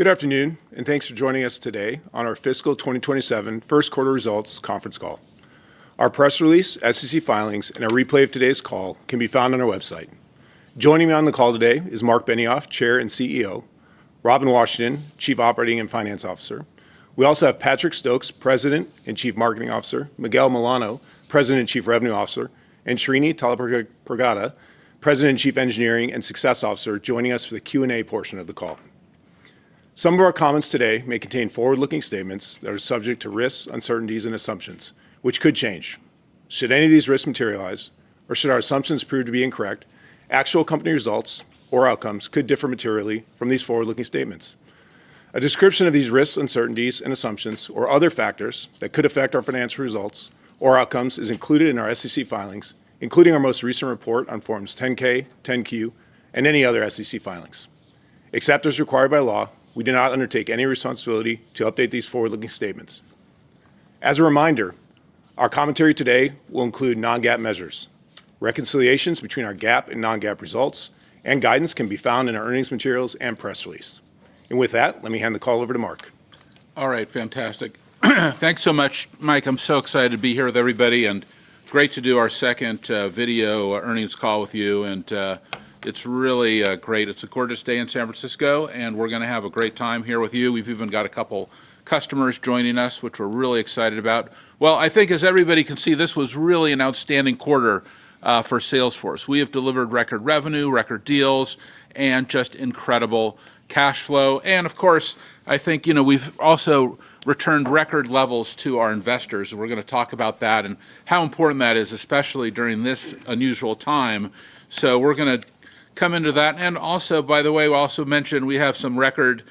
Good afternoon, and thanks for joining us today on our fiscal 2027 Q1 results conference call. Our press release, SEC filings, and a replay of today's call can be found on our website. Joining me on the call today is Marc Benioff, Chair and CEO, Robin Washington, Chief Operating and Finance Officer. We also have Patrick Stokes, President and Chief Marketing Officer, Miguel Milano, President and Chief Revenue Officer, and Srinivas Tallapragada, President, Chief Engineering and Success Officer, joining us for the Q&A portion of the call. Some of our comments today may contain forward-looking statements that are subject to risks, uncertainties, and assumptions, which could change. Should any of these risks materialize or should our assumptions prove to be incorrect, actual company results or outcomes could differ materially from these forward-looking statements. A description of these risks, uncertainties, and assumptions, or other factors that could affect our financial results or outcomes is included in our SEC filings, including our most recent report on forms 10-K, 10-Q, and any other SEC filings. Except as required by law, we do not undertake any responsibility to update these forward-looking statements. As a reminder, our commentary today will include non-GAAP measures. Reconciliations between our GAAP and non-GAAP results and guidance can be found in our earnings materials and press release. With that, let me hand the call over to Marc. All right. Fantastic. Thanks so much, Mike. I'm so excited to be here with everybody, great to do our second video earnings call with you, and it's really great. It's a gorgeous day in San Francisco, we're going to have a great time here with you. We've even got a couple customers joining us, which we're really excited about. Well, I think as everybody can see, this was really an outstanding quarter for Salesforce. We have delivered record revenue, record deals, just incredible cash flow. Of course, I think we've also returned record levels to our investors. We're going to talk about that and how important that is, especially during this unusual time. We're going to come into that. Also, by the way, we also mentioned we have some record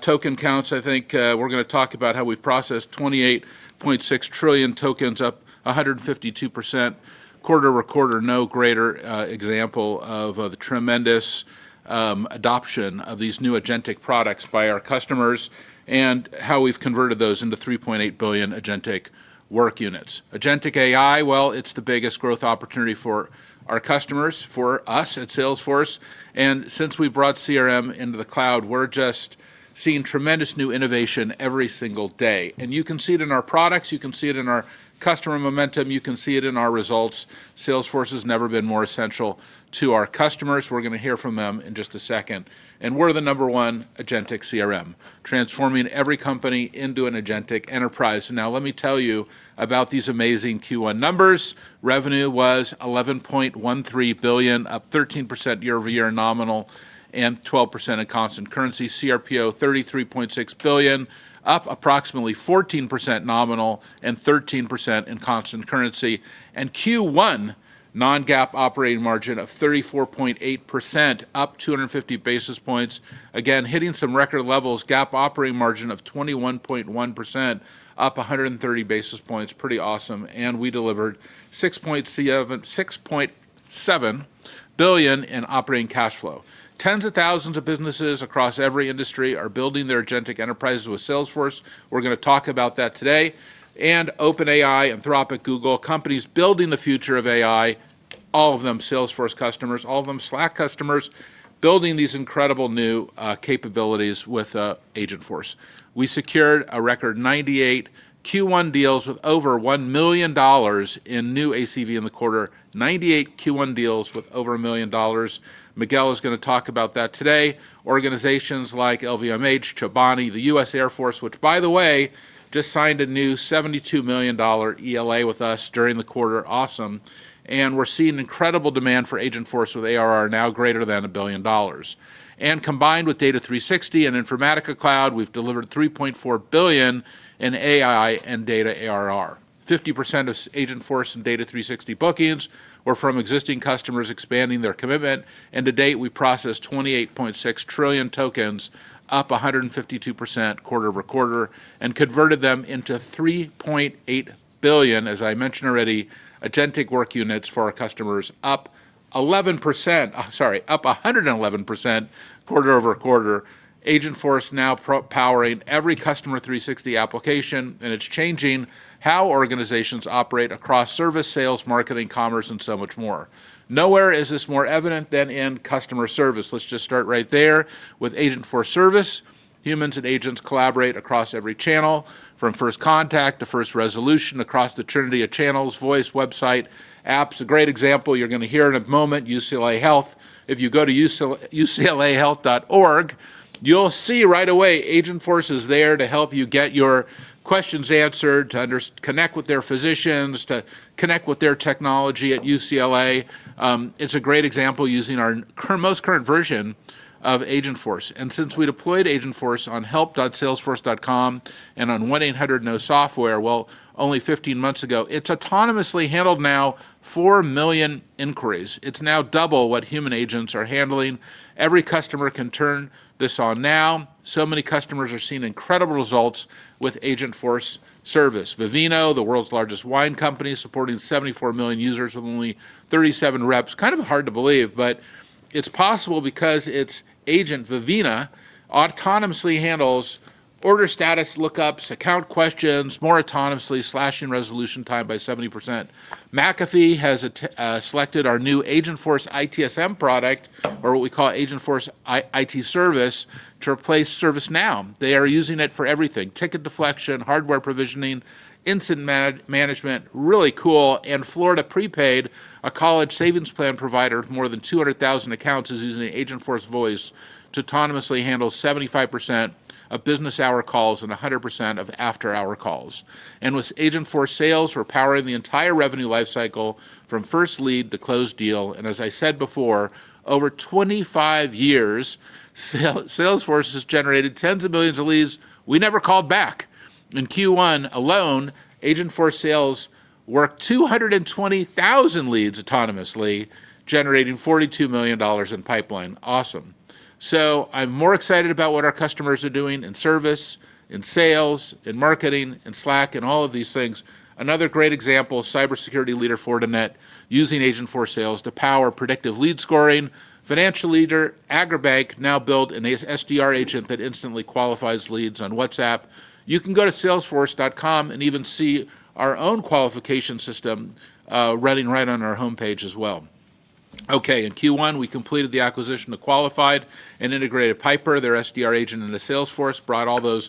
token counts, I think. We're going to talk about how we've processed 28.6 trillion tokens, up 152% quarter-over-quarter. No greater example of the tremendous adoption of these new agentic products by our customers and how we've converted those into 3.8 billion agentic work units. Agentic AI, well, it's the biggest growth opportunity for our customers, for us at Salesforce, since we brought CRM into the cloud, we're just seeing tremendous new innovation every single day. You can see it in our products, you can see it in our customer momentum, you can see it in our results. Salesforce has never been more essential to our customers. We're going to hear from them in just a second. We're the number one agentic CRM, transforming every company into an agentic enterprise. Now, let me tell you about these amazing Q1 numbers. Revenue was $11.13 billion, up 13% year-over-year nominal and 12% in constant currency. cRPO $33.6 billion, up approximately 14% nominal and 13% in constant currency. Q1 non-GAAP operating margin of 34.8%, up 250 basis points. Again, hitting some record levels. GAAP operating margin of 21.1%, up 130 basis points. Pretty awesome. We delivered $6.7 billion in operating cash flow. Tens of thousands of businesses across every industry are building their agentic enterprises with Salesforce. We're going to talk about that today. OpenAI, Anthropic, Google, companies building the future of AI, all of them Salesforce customers, all of them Slack customers, building these incredible new capabilities with Agentforce. We secured a record 98 Q1 deals with over $1 million in new ACV in the quarter, 98 Q1 deals with over $1 million. Miguel is going to talk about that today. Organizations like LVMH, Chobani, the U.S. Air Force, which by the way, just signed a new $72 million ELA with us during the quarter. Awesome. We're seeing incredible demand for Agentforce with ARR now greater than $1 billion. Combined with Data 360 and Informatica Cloud, we've delivered $3.4 billion in AI and data ARR. 50% of Agentforce and Data 360 bookings were from existing customers expanding their commitment. To date, we processed 28.6 trillion tokens, up 152% quarter-over-quarter, and converted them into 3.8 billion, as I mentioned already, agentic work units for our customers up 111% quarter-over-quarter. Agentforce now powering every Customer 360 application, and it's changing how organizations operate across service, sales, marketing, commerce, and so much more. Nowhere is this more evident than in customer service. Let's just start right there with Agentforce Service. Humans and agents collaborate across every channel, from first contact to first resolution, across the trinity of channels, voice, website, apps. A great example you're going to hear in a moment, UCLA Health. If you go to uclahealth.org, you'll see right away Agentforce is there to help you get your questions answered, to connect with their physicians, to connect with their technology at UCLA. It's a great example using our most current version of Agentforce. Since we deployed Agentforce on help.salesforce.com and on 1-800-NO-SOFTWARE, well, only 15 months ago, it's autonomously handled now 4 million inquiries. It's now double what human agents are handling. Every customer can turn this on now. Many customers are seeing incredible results with Agentforce Service. Vivino, the world's largest wine company, supporting 74 million users with only 37 reps. Kind of hard to believe, but it's possible because its agent, Vivina, autonomously handles order status lookups, account questions more autonomously, slashing resolution time by 70%. McAfee has selected our new Agentforce ITSM product, or what we call Agentforce IT Service, to replace ServiceNow. They are using it for everything, ticket deflection, hardware provisioning, incident management. Really cool. Florida Prepaid, a college savings plan provider with more than 200,000 accounts, is using Agentforce Voice to autonomously handle 75% of business-hour calls and 100% of after-hour calls. With Agentforce Sales, we're powering the entire revenue life cycle from first lead to closed deal. As I said before, over 25 years, Salesforce has generated tens of millions of leads we never called back. In Q1 alone, Agentforce Sales worked 220,000 leads autonomously, generating $42 million in pipeline. Awesome. I'm more excited about what our customers are doing in service, in sales, in marketing, in Slack, and all of these things. Another great example, cybersecurity leader, Fortinet, using Agentforce Sales to power predictive lead scoring. Financial leader, Agibank, now built an SDR agent that instantly qualifies leads on WhatsApp. You can go to salesforce.com and even see our own qualification system running right on our homepage as well. In Q1, we completed the acquisition of Qualified and integrated Piper, their SDR agent into Salesforce, brought all those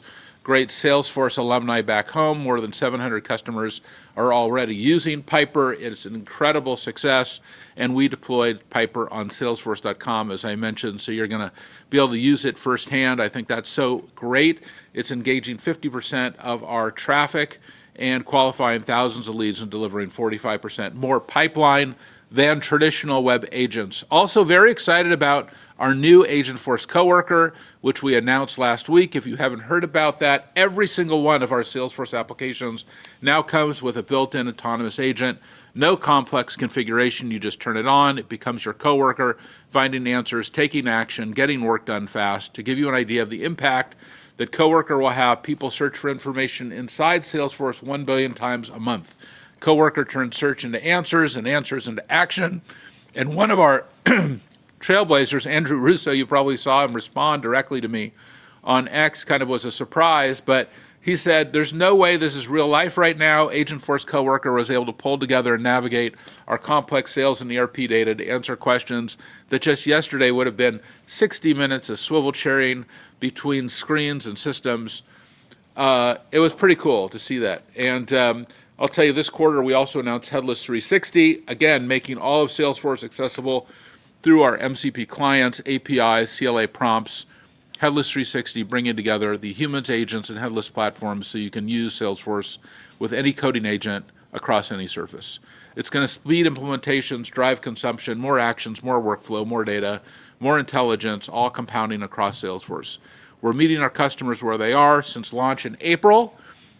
great Salesforce alumni back home. More than 700 customers are already using Piper. It is an incredible success, and we deployed Piper on salesforce.com, as I mentioned, so you're going to be able to use it firsthand. I think that's so great. It's engaging 50% of our traffic and qualifying thousands of leads and delivering 45% more pipeline than traditional web agents. Very excited about our new Agentforce Coworker, which we announced last week. If you haven't heard about that, every single one of our Salesforce applications now comes with a built-in autonomous agent. No complex configuration, you just turn it on, it becomes your coworker, finding answers, taking action, getting work done fast. To give you an idea of the impact that Coworker will have, people search for information inside Salesforce 1 billion times a month. Coworker turns search into answers and answers into action. One of our trailblazers, Andrew Russo, you probably saw him respond directly to me on X, kind of was a surprise, but he said, "There's no way this is real life right now. Agentforce Coworker was able to pull together and navigate our complex sales and ERP data to answer questions that just yesterday would've been 60 minutes of swivel chairing between screens and systems. It was pretty cool to see that. I'll tell you, this quarter, we also announced Headless 360, again, making all of Salesforce accessible through our MCP clients, APIs, CLI prompts. Headless 360 bringing together the humans, agents, and headless platforms so you can use Salesforce with any coding agent across any surface. It's going to speed implementations, drive consumption, more actions, more workflow, more data, more intelligence, all compounding across Salesforce. We're meeting our customers where they are. Since launch in April,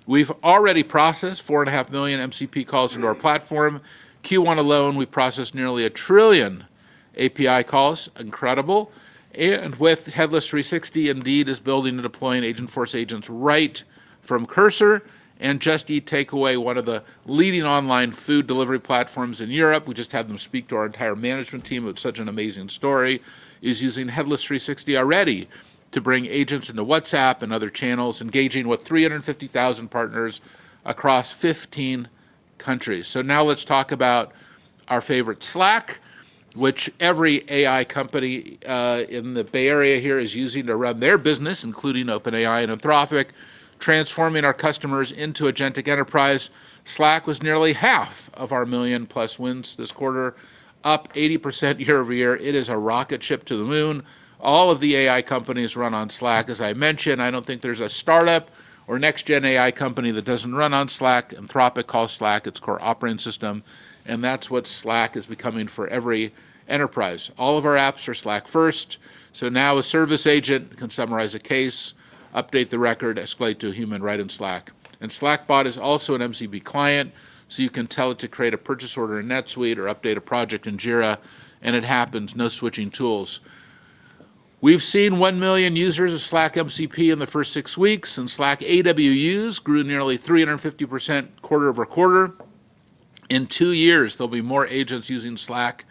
we've already processed 4.5 million MCP calls into our platform. Q1 alone, we processed nearly 1 trillion API calls. Incredible. With Headless 360, Indeed is building and deploying Agentforce agents right from Cursor, Just Eat Takeaway, one of the leading online food delivery platforms in Europe, we just had them speak to our entire management team with such an amazing story, is using Headless 360 already to bring agents into WhatsApp and other channels, engaging with 350,000 partners across 15 countries. Now let's talk about our favorite, Slack, which every AI company in the Bay Area here is using to run their business, including OpenAI and Anthropic, transforming our customers into agentic enterprise. Slack was nearly half of our million-plus wins this quarter, up 80% year-over-year. It is a rocket ship to the moon. All of the AI companies run on Slack. As I mentioned, I don't think there's a startup or next-gen AI company that doesn't run on Slack. Anthropic calls Slack its core operating system, and that's what Slack is becoming for every enterprise. All of our apps are Slack first. Now a service agent can summarize a case, update the record, escalate to a human right in Slack. Slackbot is also an MCP client, so you can tell it to create a purchase order in NetSuite or update a project in Jira, and it happens, no switching tools. We've seen 1 million users of Slack MCP in the first six weeks, and Slack AWUs grew nearly 350% quarter-over-quarter. In two years, there'll be more agents using Slack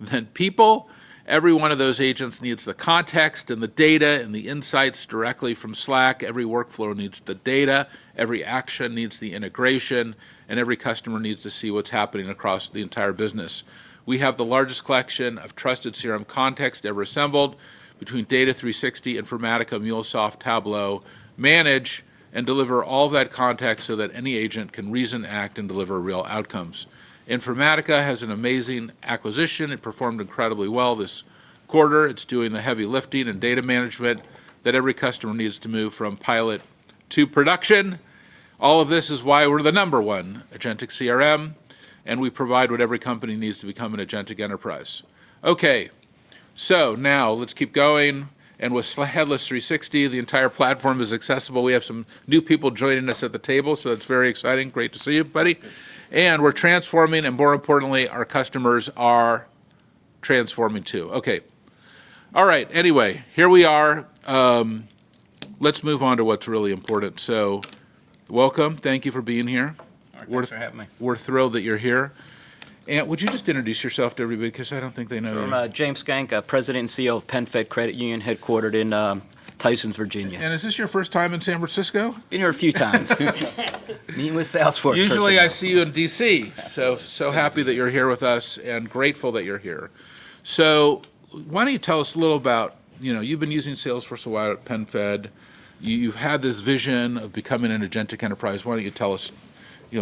than people. Every one of those agents needs the context and the data and the insights directly from Slack. Every workflow needs the data, every action needs the integration, and every customer needs to see what's happening across the entire business. We have the largest collection of trusted CRM context ever assembled, between Data 360, Informatica, MuleSoft, Tableau. Manage and deliver all that context so that any agent can reason, act, and deliver real outcomes. Informatica has an amazing acquisition. It performed incredibly well this quarter. It's doing the heavy lifting and data management that every customer needs to move from pilot to production. All of this is why we're the number one agentic CRM. We provide what every company needs to become an agentic enterprise. Okay. Now let's keep going. With Headless 360, the entire platform is accessible. We have some new people joining us at the table. It's very exciting. Great to see you, buddy. We're transforming, and more importantly, our customers are transforming, too. Okay. All right. Anyway, here we are. Let's move on to what's really important. Welcome. Thank you for being here. Thanks for having me. We're thrilled that you're here. Would you just introduce yourself to everybody? Because I don't think they know. I'm James Schenck, President and CEO of PenFed Credit Union, headquartered in Tysons, Virginia. Is this your first time in San Francisco? Been here a few times. Meeting with the Salesforce person. Usually I see you in D.C. Happy that you're here with us and grateful that you're here. Why don't you tell us a little about, you've been using Salesforce a while at PenFed. You've had this vision of becoming an agentic enterprise. Why don't you tell us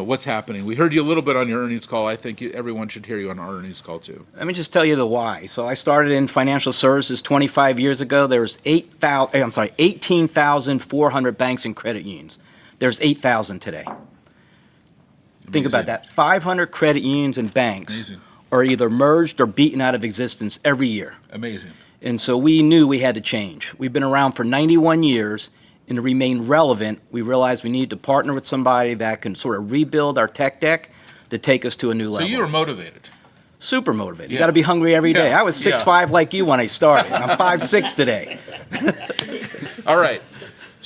what's happening? We heard you a little bit on your earnings call. I think everyone should hear you on our earnings call, too. Let me just tell you the why. I started in financial services 25 years ago. There was 18,400 banks and credit unions. There's 8,000 today. Think about that. 500 credit unions and banks. Amazing are either merged or beaten out of existence every year. Amazing. We knew we had to change. We've been around for 91 years, and to remain relevant, we realized we need to partner with somebody that can sort of rebuild our tech deck to take us to a new level. You were motivated. Super motivated. Yeah. You got to be hungry every day. Yeah. I was six'five" like you when I started. I'm five'six" today. All right.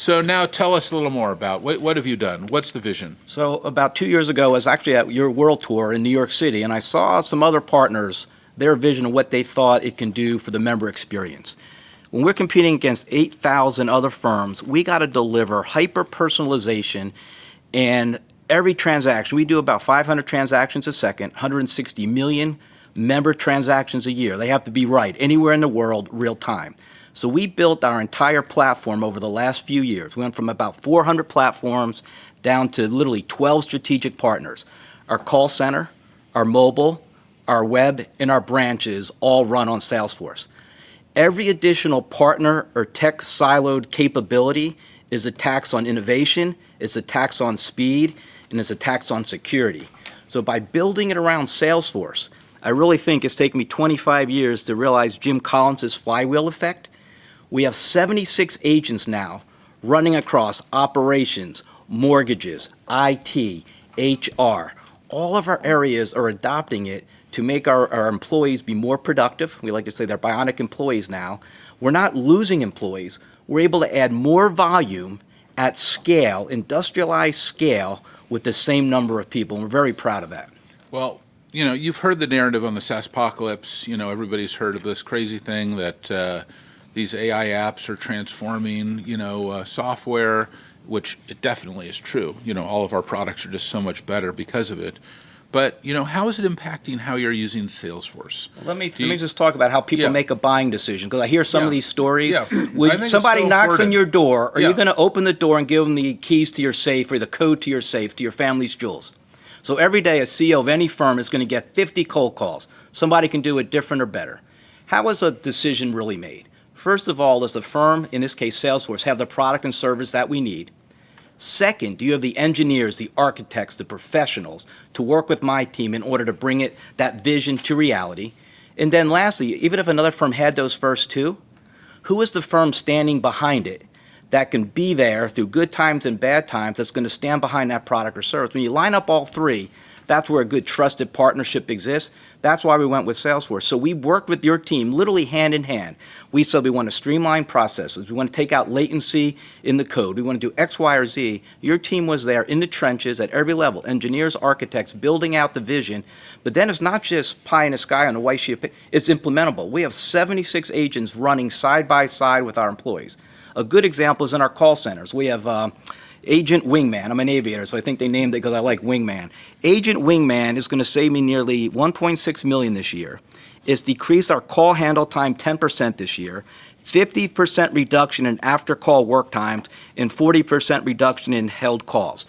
Now tell us a little more about What have you done? What's the vision? About two years ago, I was actually at your World Tour in New York City, and I saw some other partners, their vision of what they thought it can do for the member experience. When we're competing against 8,000 other firms, we got to deliver hyper-personalization in every transaction. We do about 500 transactions a second, 160 million member transactions a year. They have to be right, anywhere in the world, real time. We built our entire platform over the last few years. We went from about 400 platforms down to literally 12 strategic partners. Our call center, our mobile, our web, and our branches all run on Salesforce. Every additional partner or tech siloed capability is a tax on innovation, it's a tax on speed, and it's a tax on security. By building it around Salesforce, I really think it's taken me 25 years to realize Jim Collins' flywheel effect. We have 76 agents now running across operations, mortgages, IT, HR. All of our areas are adopting it to make our employees be more productive. We like to say they're bionic employees now. We're not losing employees. We're able to add more volume at scale, industrialized scale, with the same number of people, and we're very proud of that. Well, you've heard the narrative on the SaaSpocalypse. Everybody's heard of this crazy thing that these AI apps are transforming software, which it definitely is true. All of our products are just so much better because of it. How is it impacting how you're using Salesforce? Let me just talk about how people make a buying decision, because I hear some of these stories. Yeah. I think it's so important. Somebody knocks on your door. Yeah. Are you going to open the door and give them the keys to your safe or the code to your safe to your family's jewels? Every day, a CEO of any firm is going to get 50 cold calls. Somebody can do it different or better. How is a decision really made? First of all, does the firm, in this case, Salesforce, have the product and service that we need? Second, do you have the engineers, the architects, the professionals to work with my team in order to bring that vision to reality? Lastly, even if another firm had those first two, who is the firm standing behind it that can be there through good times and bad times, that's going to stand behind that product or service? When you line up all three, that's where a good, trusted partnership exists. That's why we went with Salesforce. We worked with your team literally hand in hand. We said we want to streamline processes. We want to take out latency in the code. We want to do X, Y, or Z. Your team was there in the trenches at every level, engineers, architects, building out the vision. It's not just pie in the sky on a spaceship. It's implementable. We have 76 agents running side by side with our employees. A good example is in our call centers. We have Agent Wingman. I'm an aviator, so I think they named it because I like Wingman. Agent Wingman is going to save me nearly $1.6 million this year. It's decreased our call handle time 10% this year, 50% reduction in after-call work times, and 40% reduction in held calls.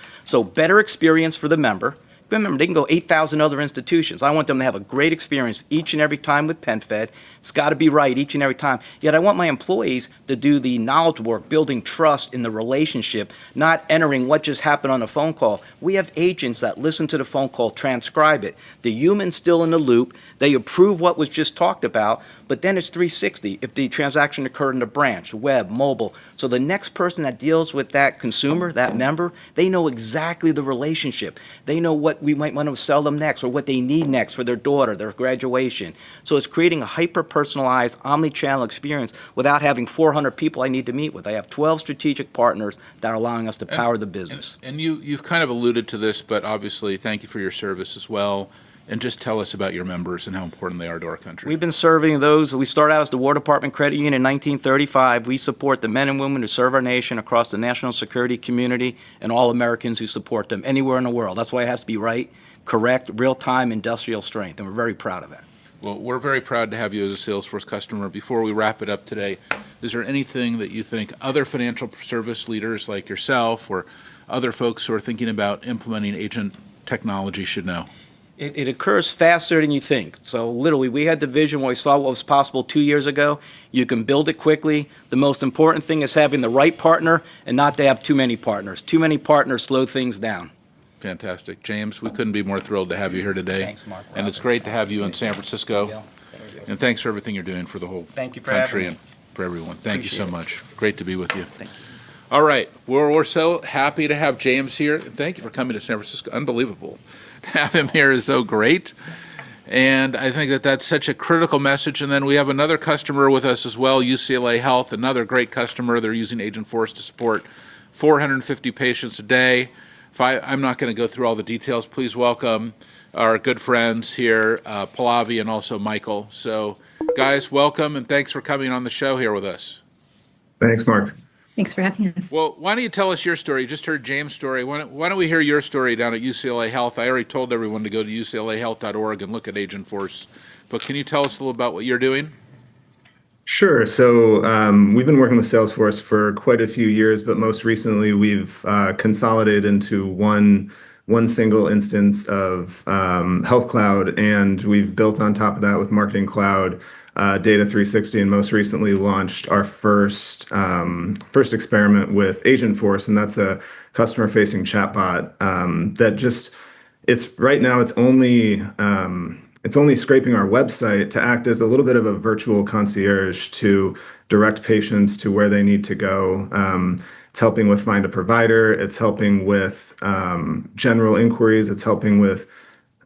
Better experience for the member. Remember, they can go 8,000 other institutions. I want them to have a great experience each and every time with PenFed. It's got to be right each and every time. I want my employees to do the knowledge work, building trust in the relationship, not entering what just happened on a phone call. We have agents that listen to the phone call, transcribe it. The human's still in the loop. They approve what was just talked about, but then it's 360. If the transaction occurred in a branch, web, mobile. The next person that deals with that consumer, that member, they know exactly the relationship. They know what we might want to sell them next or what they need next for their daughter, their graduation. It's creating a hyper-personalized omnichannel experience without having 400 people I need to meet with. I have 12 strategic partners that are allowing us to power the business. You've kind of alluded to this, but obviously, thank you for your service as well, and just tell us about your members and how important they are to our country. We started out as the War Department Credit Union in 1935. We support the men and women who serve our nation across the national security community and all Americans who support them anywhere in the world. That's why it has to be right, correct, real-time, industrial strength, and we're very proud of it. Well, we're very proud to have you as a Salesforce customer. Before we wrap it up today, is there anything that you think other financial service leaders like yourself or other folks who are thinking about implementing agent technology should know? It occurs faster than you think. Literally, we had the vision where we saw what was possible two years ago. You can build it quickly. The most important thing is having the right partner and not to have too many partners. Too many partners slow things down. Fantastic. James, we couldn't be more thrilled to have you here today. Thanks, Marc. It's great to have you in San Francisco. Thank you. Thanks for everything you're doing. Thank you for having me. country and for everyone. Appreciate it. Thank you so much. Great to be with you. Thank you. All right. Well, we're so happy to have James here. Thank you for coming to San Francisco. Unbelievable. To have him here is so great. I think that that's such a critical message. We have another customer with us as well, UCLA Health, another great customer. They're using Agentforce to support 450 patients a day. I'm not going to go through all the details. Please welcome our good friends here, Pallavi, and also Michael. Guys, welcome, and thanks for coming on the show here with us. Thanks, Marc. Thanks for having us. Well, why don't you tell us your story? Just heard James' story. Why don't we hear your story down at UCLA Health? I already told everyone to go to uclahealth.org and look at Agentforce, but can you tell us a little about what you're doing? Sure. We've been working with Salesforce for quite a few years, but most recently we've consolidated into one single instance of Health Cloud. We've built on top of that with Marketing Cloud, Data 360, and most recently launched our first experiment with Agentforce, and that's a customer-facing chatbot. Right now it's only scraping our website to act as a little bit of a virtual concierge to direct patients to where they need to go. It's helping with find a provider. It's helping with general inquiries. It's helping with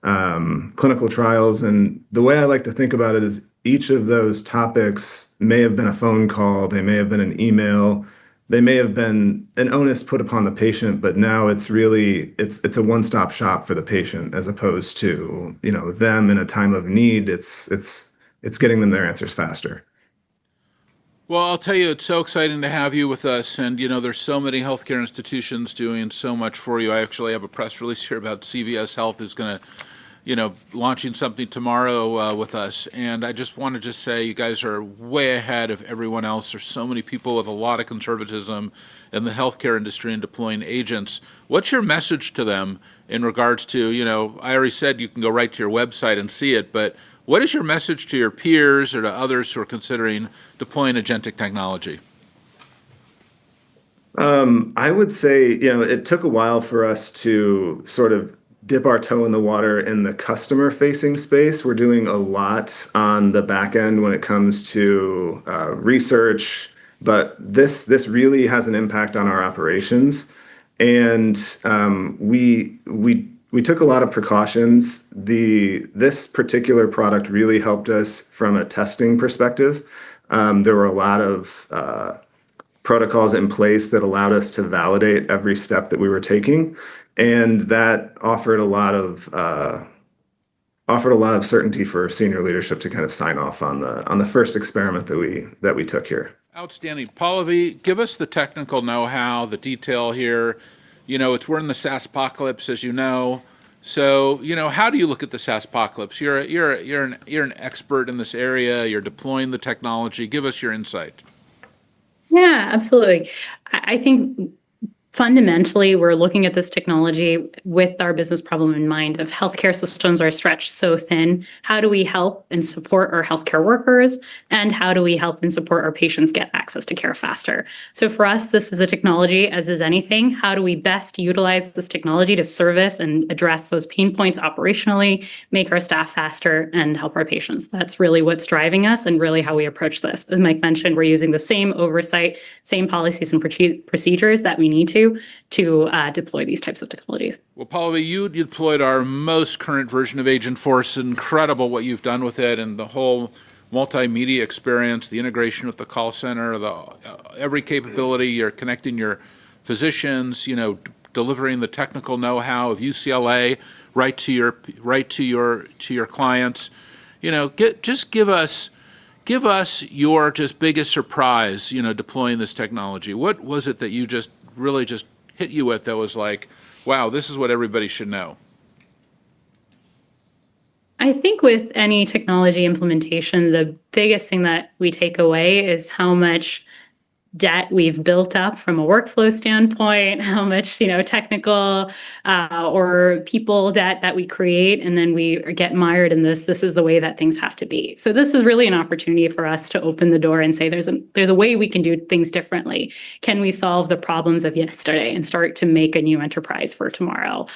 clinical trials. The way I like to think about it is each of those topics may have been a phone call, they may have been an email, they may have been an onus put upon the patient, but now it's a one-stop shop for the patient as opposed to them in a time of need. It's getting them their answers faster. Well, I'll tell you, it is so exciting to have you with us, and there is so many healthcare institutions doing so much for you. I actually have a press release here about CVS Health is going to launch something tomorrow with us. I just want to just say you guys are way ahead of everyone else. There is so many people with a lot of conservatism in the healthcare industry in deploying agents. What is your message to them in regards to? I already said you can go right to your website and see it. What is your message to your peers or to others who are considering deploying agentic technology? I would say it took a while for us to sort of dip our toe in the water in the customer-facing space. We are doing a lot on the back end when it comes to research. This really has an impact on our operations. We took a lot of precautions. This particular product really helped us from a testing perspective. There were a lot of protocols in place that allowed us to validate every step that we were taking, and that offered a lot of certainty for senior leadership to kind of sign off on the first experiment that we took here. Outstanding. Pallavi, give us the technical know-how, the detail here. We're in the SaaSpocalypse, as you know. How do you look at the SaaSpocalypse? You're an expert in this area. You're deploying the technology. Give us your insight. Yeah, absolutely. I think fundamentally, we're looking at this technology with our business problem in mind of healthcare systems are stretched so thin. How do we help and support our healthcare workers, and how do we help and support our patients get access to care faster? For us, this is a technology, as is anything, how do we best utilize this technology to service and address those pain points operationally, make our staff faster, and help our patients? That's really what's driving us and really how we approach this. As Mike mentioned, we're using the same oversight, same policies and procedures that we need to deploy these types of technologies. Pallavi, you deployed our most current version of Agentforce. Incredible what you've done with it and the whole multimedia experience, the integration with the call center, every capability. You're connecting your physicians, delivering the technical know-how of UCLA right to your clients. Just give us your just biggest surprise deploying this technology. What was it that really just hit you with that was like, "Wow, this is what everybody should know"? I think with any technology implementation, the biggest thing that we take away is how much debt we've built up from a workflow standpoint, how much technical or people debt that we create, and then we get mired in this. This is the way that things have to be. This is really an opportunity for us to open the door and say, "There's a way we can do things differently. Can we solve the problems of yesterday and start to make a new enterprise for tomorrow?"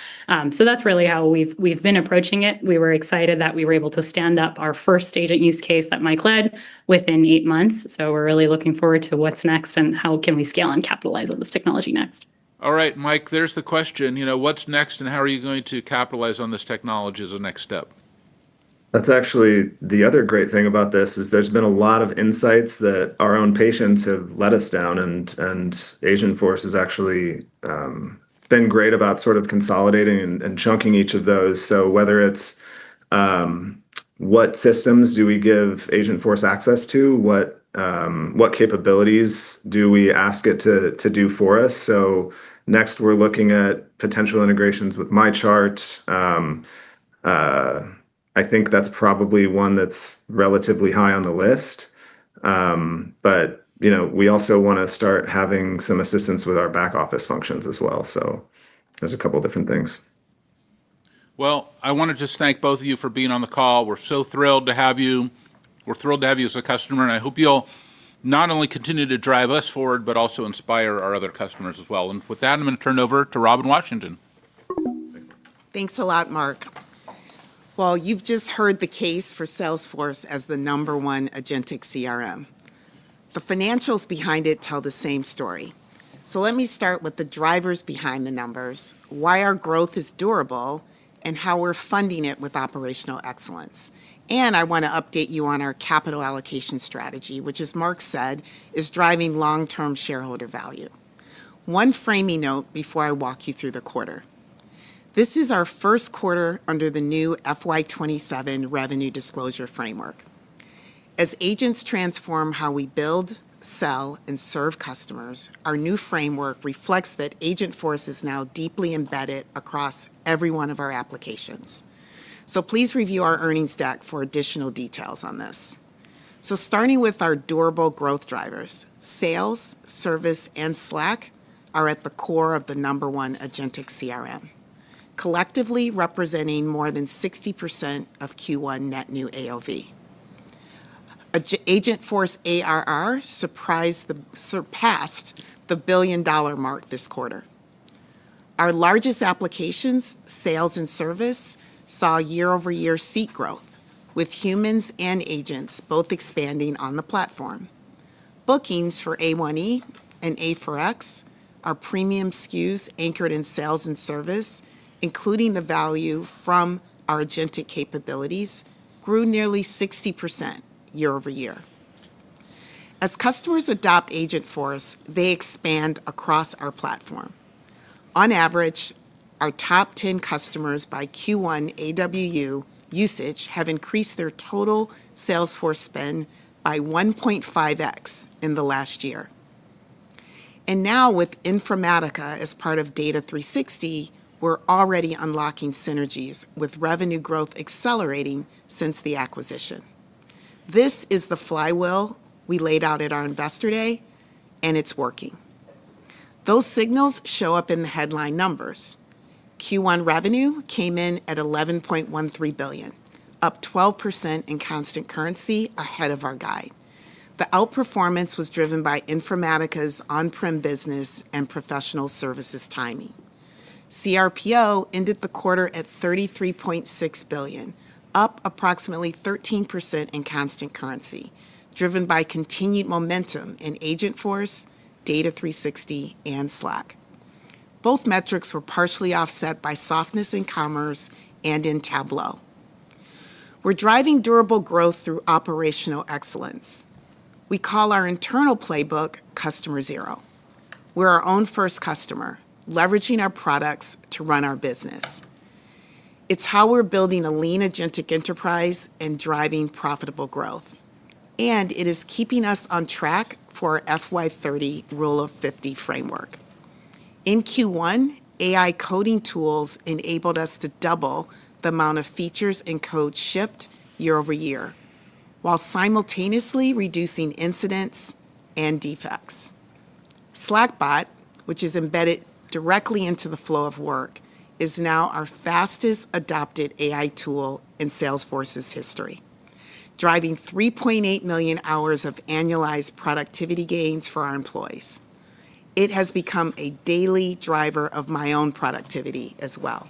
That's really how we've been approaching it. We were excited that we were able to stand up our first agent use case that Mike led within eight months. We're really looking forward to what's next and how can we scale and capitalize on this technology next. All right, Mike, there's the question. What's next and how are you going to capitalize on this technology as a next step? That's actually the other great thing about this is there's been a lot of insights that our own patients have let us down and Agentforce has actually been great about sort of consolidating and chunking each of those. Whether it's what systems do we give Agentforce access to, what capabilities do we ask it to do for us? Next we're looking at potential integrations with MyChart. I think that's probably one that's relatively high on the list. We also want to start having some assistance with our back office functions as well. There's a couple different things. I want to just thank both of you for being on the call. We're so thrilled to have you. We're thrilled to have you as a customer, and I hope you'll not only continue to drive us forward, but also inspire our other customers as well. With that, I'm going to turn it over to Robin Washington. Thank you. Thanks a lot, Marc. Well, you've just heard the case for Salesforce as the number one agentic CRM. The financials behind it tell the same story. Let me start with the drivers behind the numbers, why our growth is durable, and how we're funding it with operational excellence. I want to update you on our capital allocation strategy, which as Marc said, is driving long term shareholder value. One framing note before I walk you through the quarter. This is our Q1 under the new FY 2027 revenue disclosure framework. As agents transform how we build, sell, and serve customers, our new framework reflects that Agentforce is now deeply embedded across every one of our applications. Please review our earnings deck for additional details on this. Starting with our durable growth drivers, Sales, Service, and Slack are at the core of the number one agentic CRM, collectively representing more than 60% of Q1 net new AOV. Agentforce ARR surpassed the $1 billion mark this quarter. Our largest applications, Sales and Service, saw year-over-year seat growth, with humans and agents both expanding on the platform. Bookings for A1E and A4X, our premium SKUs anchored in Sales and Service, including the value from our agentic capabilities, grew nearly 60% year-over-year. As customers adopt Agentforce, they expand across our platform. On average, our top 10 customers by Q1 AWU usage have increased their total Salesforce spend by 1.5x in the last year. Now with Informatica as part of Data 360, we're already unlocking synergies, with revenue growth accelerating since the acquisition. This is the flywheel we laid out at our Investor Day, and it's working. Those signals show up in the headline numbers. Q1 revenue came in at $11.13 billion, up 12% in constant currency ahead of our guide. The outperformance was driven by Informatica's on-prem business and professional services timing. cRPO ended the quarter at $33.6 billion, up approximately 13% in constant currency, driven by continued momentum in Agentforce, Data 360, and Slack. Both metrics were partially offset by softness in Commerce Cloud and in Tableau. We're driving durable growth through operational excellence. We call our internal playbook Customer Zero. We're our own first customer, leveraging our products to run our business. It's how we're building a lean agentic enterprise and driving profitable growth, and it is keeping us on track for our FY 2030 Rule of 50 framework. In Q1, AI coding tools enabled us to double the amount of features and code shipped year over year, while simultaneously reducing incidents and defects. Slackbot, which is embedded directly into the flow of work, is now our fastest-adopted AI tool in Salesforce's history, driving 3.8 million hours of annualized productivity gains for our employees. It has become a daily driver of my own productivity as well.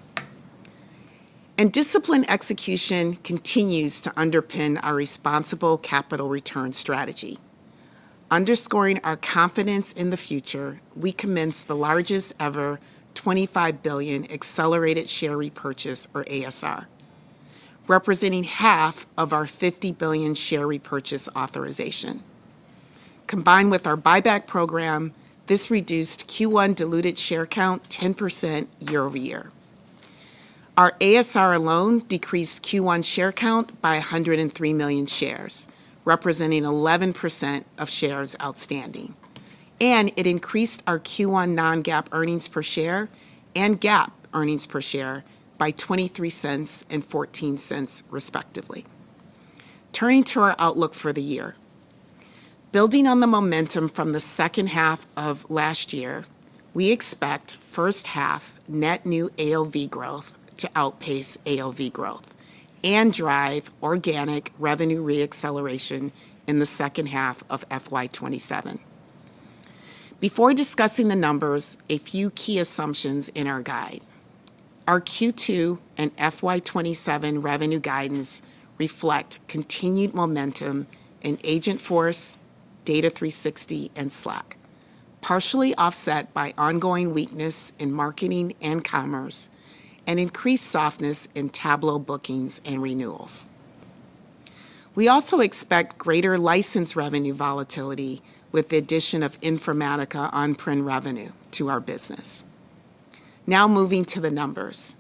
Disciplined execution continues to underpin our responsible capital return strategy. Underscoring our confidence in the future, we commenced the largest ever $25 billion accelerated share repurchase, or ASR, representing half of our $50 billion share repurchase authorization. Combined with our buyback program, this reduced Q1 diluted share count 10% year-over-year. Our ASR alone decreased Q1 share count by 103 million shares, representing 11% of shares outstanding, and it increased our Q1 non-GAAP earnings per share and GAAP earnings per share by $0.23 and $0.14, respectively. Turning to our outlook for the year. Building on the momentum from the second half of last year, we expect first half net new AOV growth to outpace AOV growth and drive organic revenue re-acceleration in the second half of FY 2027. Before discussing the numbers, a few key assumptions in our guide. Our Q2 and FY 2027 revenue guidance reflect continued momentum in Agentforce, Data 360, and Slack, partially offset by ongoing weakness in Marketing and Commerce and increased softness in Tableau bookings and renewals. We also expect greater license revenue volatility with the addition of Informatica on-prem revenue to our business. Now moving to the numbers.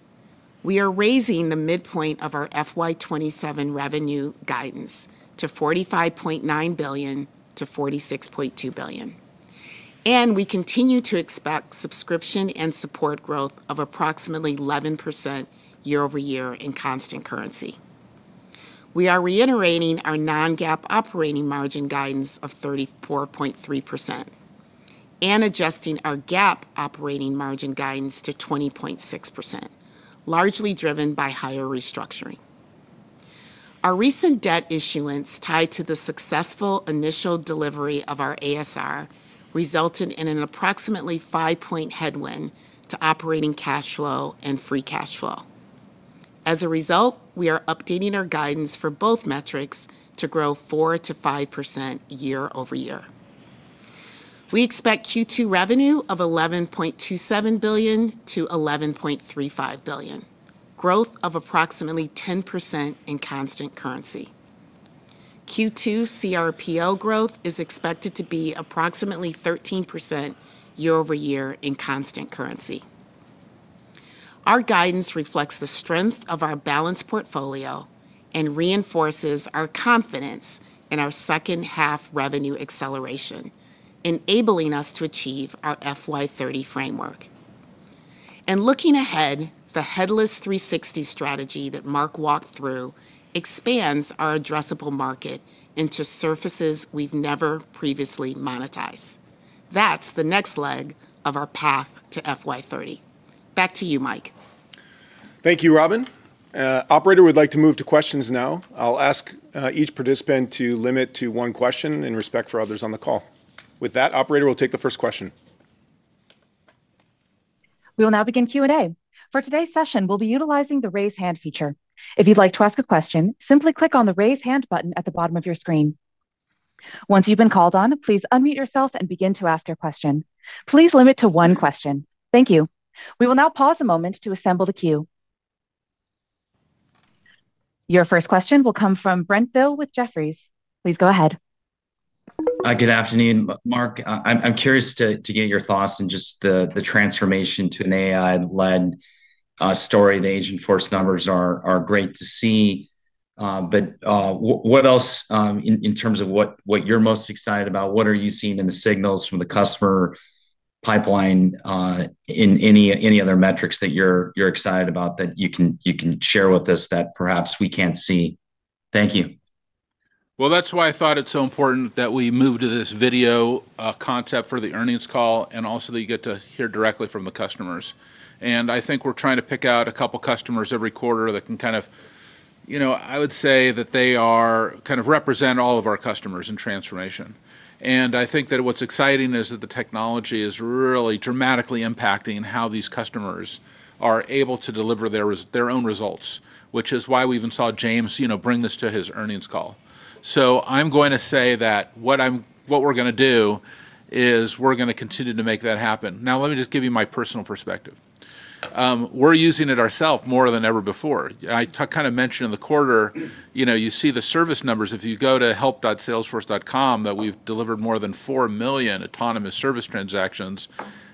We are raising the midpoint of our FY 2027 revenue guidance to $45.9 billion-$46.2 billion, and we continue to expect subscription and support growth of approximately 11% year-over-year in constant currency. We are reiterating our non-GAAP operating margin guidance of 34.3% and adjusting our GAAP operating margin guidance to 20.6%, largely driven by higher restructuring. Our recent debt issuance tied to the successful initial delivery of our ASR resulted in an approximately five-point headwind to operating cash flow and free cash flow. As a result, we are updating our guidance for both metrics to grow four percent-five percent year-over-year. We expect Q2 revenue of $11.27 billion-$11.35 billion, growth of approximately 10% in constant currency. Q2 cRPO growth is expected to be approximately 13% year-over-year in constant currency. Our guidance reflects the strength of our balanced portfolio and reinforces our confidence in our second-half revenue acceleration, enabling us to achieve our FY 2030 framework. Looking ahead, the Headless 360 strategy that Marc walked through expands our addressable market into surfaces we've never previously monetized. That's the next leg of our path to FY 2030. Back to you, Mike. Thank you, Robin. Operator, we'd like to move to questions now. I'll ask each participant to limit to one question in respect for others on the call. With that, operator, we'll take the first question. We will now begin Q&A. For today's session, we'll be utilizing the raise hand feature. If you'd like to ask a question, simply click on the raise hand button at the bottom of your screen. Once you've been called on, please unmute yourself and begin to ask your question. Please limit to one question. Thank you. We will now pause a moment to assemble the queue. Your first question will come from Brent Thill with Jefferies. Please go ahead. Hi, good afternoon. Marc, I'm curious to get your thoughts on just the transformation to an AI-led story. The Agentforce numbers are great to see. What else, in terms of what you're most excited about, what are you seeing in the signals from the customer pipeline? Any other metrics that you're excited about that you can share with us that perhaps we can't see? Thank you. Well, that's why I thought it's so important that we move to this video concept for the earnings call, and also that you get to hear directly from the customers. I think we're trying to pick out a couple of customers every quarter that can kind of, I would say that they represent all of our customers in transformation. I think that what's exciting is that the technology is really dramatically impacting how these customers are able to deliver their own results, which is why we even saw James bring this to his earnings call. I'm going to say that what we're going to do is we're going to continue to make that happen. Now, let me just give you my personal perspective. We're using it ourself more than ever before. I kind of mentioned in the quarter, you see the service numbers, if you go to help.salesforce.com, that we've delivered more than 4 million autonomous service transactions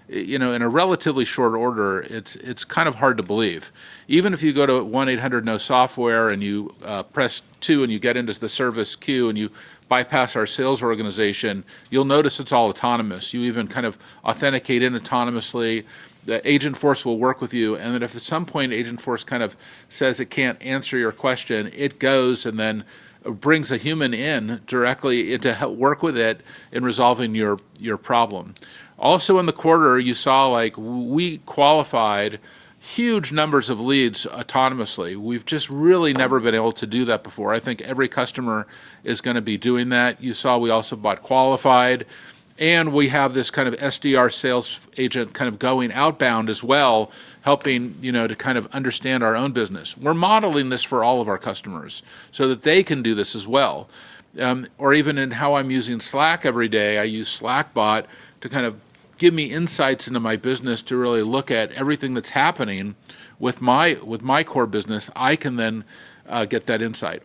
in a relatively short order. It's kind of hard to believe. Even if you go to 1-800-NO-SOFTWARE and you press two and you get into the service queue and you bypass our sales organization, you'll notice it's all autonomous. You even kind of authenticate in autonomously, the Agentforce will work with you, and then if at some point Agentforce kind of says it can't answer your question, it goes and then brings a human in directly to work with it in resolving your problem. Also in the quarter, you saw we qualified huge numbers of leads autonomously. We've just really never been able to do that before. I think every customer is going to be doing that. You saw we also bought Qualified. We have this kind of SDR sales agent kind of going outbound as well, helping to kind of understand our own business. We're modeling this for all of our customers so that they can do this as well. Even in how I'm using Slack every day, I use Slackbot to kind of give me insights into my business to really look at everything that's happening with my core business. I can get that insight.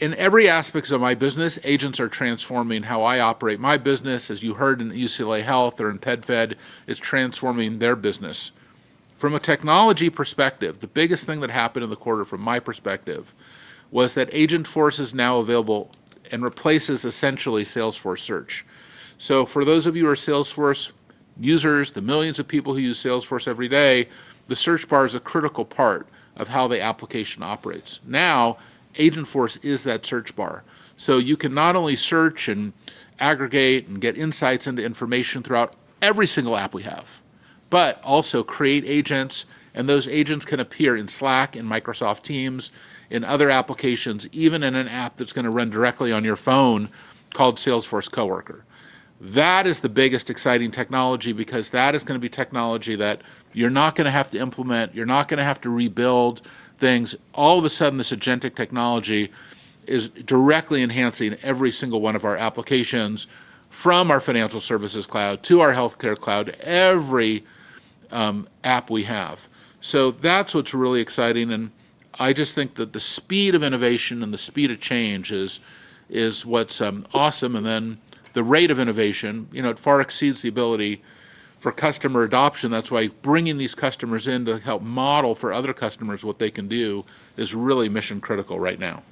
In every aspect of my business, agents are transforming how I operate my business. As you heard in UCLA Health or in PenFed, it's transforming their business. From a technology perspective, the biggest thing that happened in the quarter from my perspective was that Agentforce is now available and replaces essentially Salesforce Search. For those of you who are Salesforce users, the millions of people who use Salesforce every day, the search bar is a critical part of how the application operates. Agentforce is that search bar. You can not only search and aggregate and get insights into information throughout every single app we have, but also create agents, and those agents can appear in Slack, in Microsoft Teams, in other applications, even in an app that's going to run directly on your phone called Salesforce Coworker. That is the biggest exciting technology because that is going to be technology that you're not going to have to implement, you're not going to have to rebuild things. All of a sudden, this agentic technology is directly enhancing every single one of our applications from our Financial Services Cloud to our Health Cloud, every app we have. That's what's really exciting, and I just think that the speed of innovation and the speed of change is what's awesome. The rate of innovation, it far exceeds the ability for customer adoption. That's why bringing these customers in to help model for other customers what they can do is really mission-critical right now.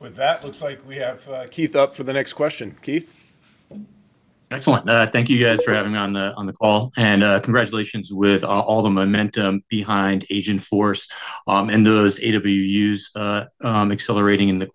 With that, looks like we have Keith up for the next question. Keith? Excellent. Thank you guys for having me on the call, and congratulations with all the momentum behind Agentforce, and those AWUs accelerating in the